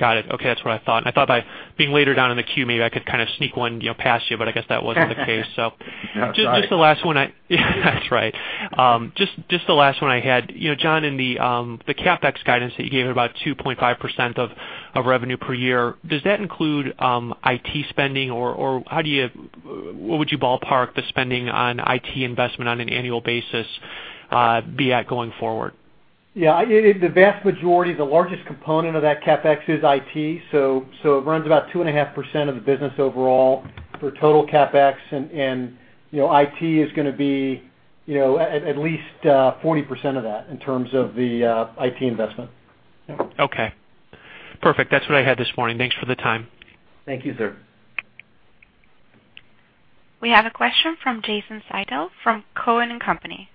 Got it. Okay. That's what I thought. I thought by being later down in the queue, maybe I could kind of sneak one, you know, past you, but I guess that wasn't the case. Sorry. So just the last one. That's right. Just the last one I had. You know, John, in the CapEx guidance that you gave about 2.5% of revenue per year, does that include IT spending, or how do you... What would you ballpark the spending on IT investment on an annual basis be at going forward? Yeah. The vast majority, the largest component of that CapEx is IT, so it runs about 2.5% of the business overall for total CapEx. And, you know, IT is going to be, you know, at least 40% of that in terms of the IT investment. Okay, perfect. That's what I had this morning. Thanks for the time. Thank you, sir. We have a question from Jason Seidl from Cowen and Company.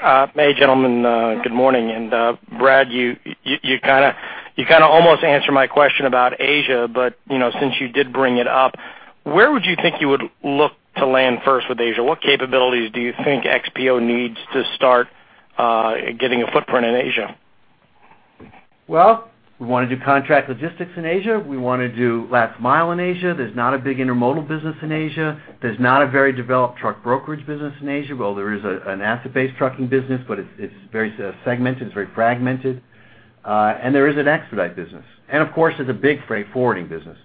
Hey, gentlemen, good morning. Brad, you kinda almost answered my question about Asia, but you know, since you did bring it up, where would you think you would look to land first with Asia? What capabilities do you think XPO needs to start getting a footprint in Asia? Well, we want to do contract logistics in Asia. We want to do last mile in Asia. There's not a big intermodal business in Asia. There's not a very developed truck brokerage business in Asia. Well, there is an asset-based trucking business, but it's very segmented, it's very fragmented, and there is an expedite business. And of course, there's a big freight forwarding business.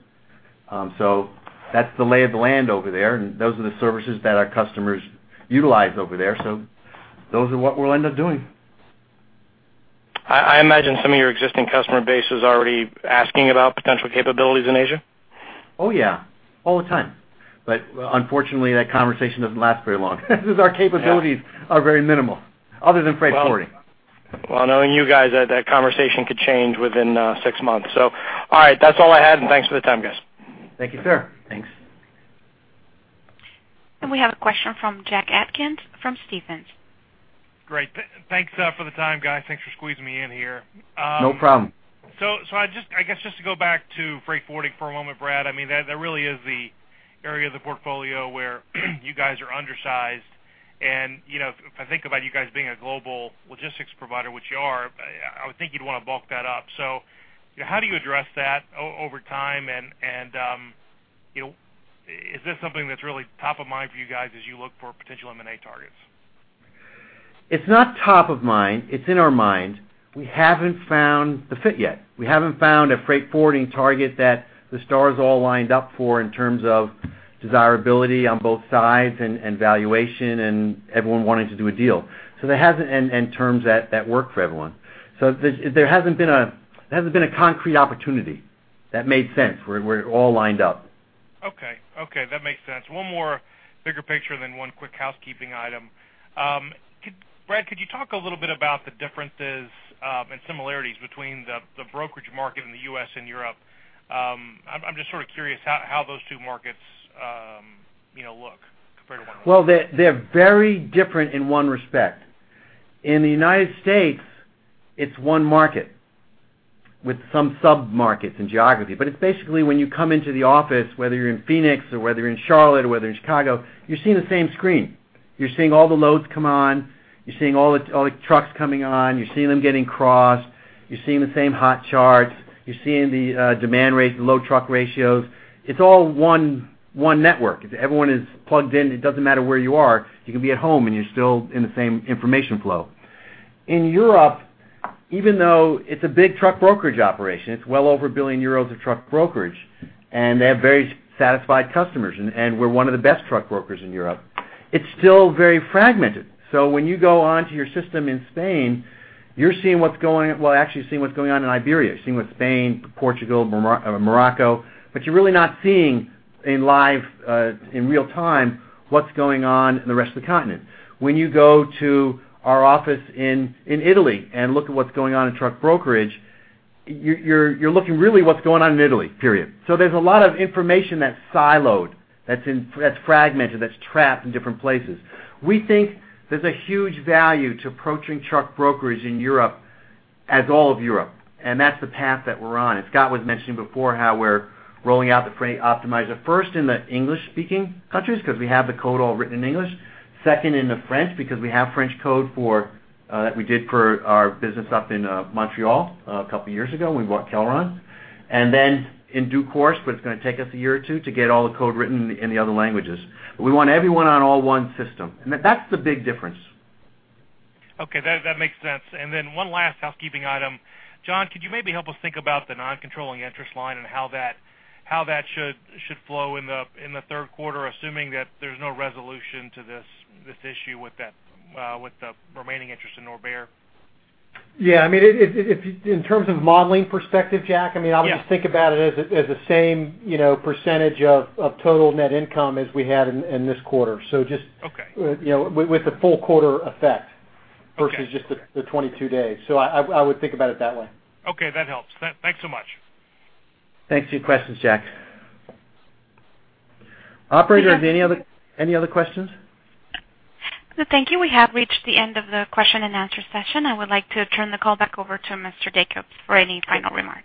So that's the lay of the land over there, and those are the services that our customers utilize over there. So those are what we'll end up doing. I imagine some of your existing customer base is already asking about potential capabilities in Asia? Oh, yeah, all the time. But unfortunately, that conversation doesn't last very long because our capabilities are very minimal, other than freight forwarding. Well, knowing you guys, that conversation could change within six months. All right, that's all I had, and thanks for the time, guys. Thank you, sir. Thanks. We have a question from Jack Atkins from Stephens. Great. Thanks, for the time, guys. Thanks for squeezing me in here. No problem. So I just—I guess just to go back to freight forwarding for a moment, Brad. I mean, that really is the area of the portfolio where you guys are undersized. And, you know, if I think about you guys being a global logistics provider, which you are, I would think you'd want to bulk that up. So how do you address that over time? And you know, is this something that's really top of mind for you guys as you look for potential M&A targets? It's not top of mind. It's in our mind. We haven't found the fit yet. We haven't found a freight forwarding target that the stars all lined up for in terms of desirability on both sides and valuation, and everyone wanting to do a deal, and terms that work for everyone. So there hasn't been a concrete opportunity that made sense, where it all lined up. Okay. Okay, that makes sense. One more bigger picture, then one quick housekeeping item. Could Brad, could you talk a little bit about the differences and similarities between the brokerage market in the U.S. and Europe? I'm just sort of curious how those two markets, you know, look compared to one another. Well, they're, they're very different in one respect. In the United States, it's one market with some sub-markets in geography, but it's basically when you come into the office, whether you're in Phoenix or whether you're in Charlotte or whether you're in Chicago, you're seeing the same screen. You're seeing all the loads come on, you're seeing all the, all the trucks coming on, you're seeing them getting crossed, you're seeing the same hot charts, you're seeing the demand rates and load-to-truck ratios. It's all one, one network. Everyone is plugged in. It doesn't matter where you are. You can be at home, and you're still in the same information flow. In Europe, even though it's a big truck brokerage operation, it's well over 1 billion euros of truck brokerage, and they have very satisfied customers, and we're one of the best truck brokers in Europe, it's still very fragmented. So when you go onto your system in Spain, you're seeing what's going, well, actually, you're seeing what's going on in Iberia. You're seeing what Spain, Portugal, Morocco, but you're really not seeing in live, in real time, what's going on in the rest of the continent. When you go to our office in Italy and look at what's going on in truck brokerage, you're looking really what's going on in Italy, period. So there's a lot of information that's siloed, that's fragmented, that's trapped in different places. We think there's a huge value to approaching truck brokerage in Europe as all of Europe, and that's the path that we're on. And Scott was mentioning before how we're rolling out the Freight Optimizer, first in the English-speaking countries, because we have the code all written in English. Second, in the French, because we have French code for that we did for our business up in Montreal a couple of years ago, when we bought Kelron. And then in due course, but it's going to take us a year or two to get all the code written in the other languages. But we want everyone on all one system, and that's the big difference. Okay, that makes sense. And then one last housekeeping item. John, could you maybe help us think about the non-controlling interest line and how that should flow in the third quarter, assuming that there's no resolution to this issue with the remaining interest in Norbert? Yeah, I mean, if in terms of modeling perspective, Jack, I mean- Yeah. I would just think about it as the, as the same, you know, percentage of, of total net income as we had in, in this quarter. So just- Okay. You know, with the full quarter effect- Okay. -versus just the 22 days. So I, I would think about it that way. Okay, that helps. Thanks so much. Thanks for your questions, Jack. Operator, is there any other, any other questions? Thank you. We have reached the end of the question and answer session. I would like to turn the call back over to Mr. Jacobs for any final remarks.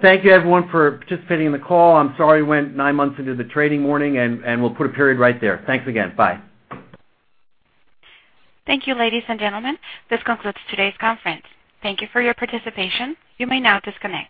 Thank you, everyone, for participating in the call. I'm sorry it went nine months into the trading morning, and we'll put a period right there. Thanks again. Bye. Thank you, ladies and gentlemen. This concludes today's conference. Thank you for your participation. You may now disconnect.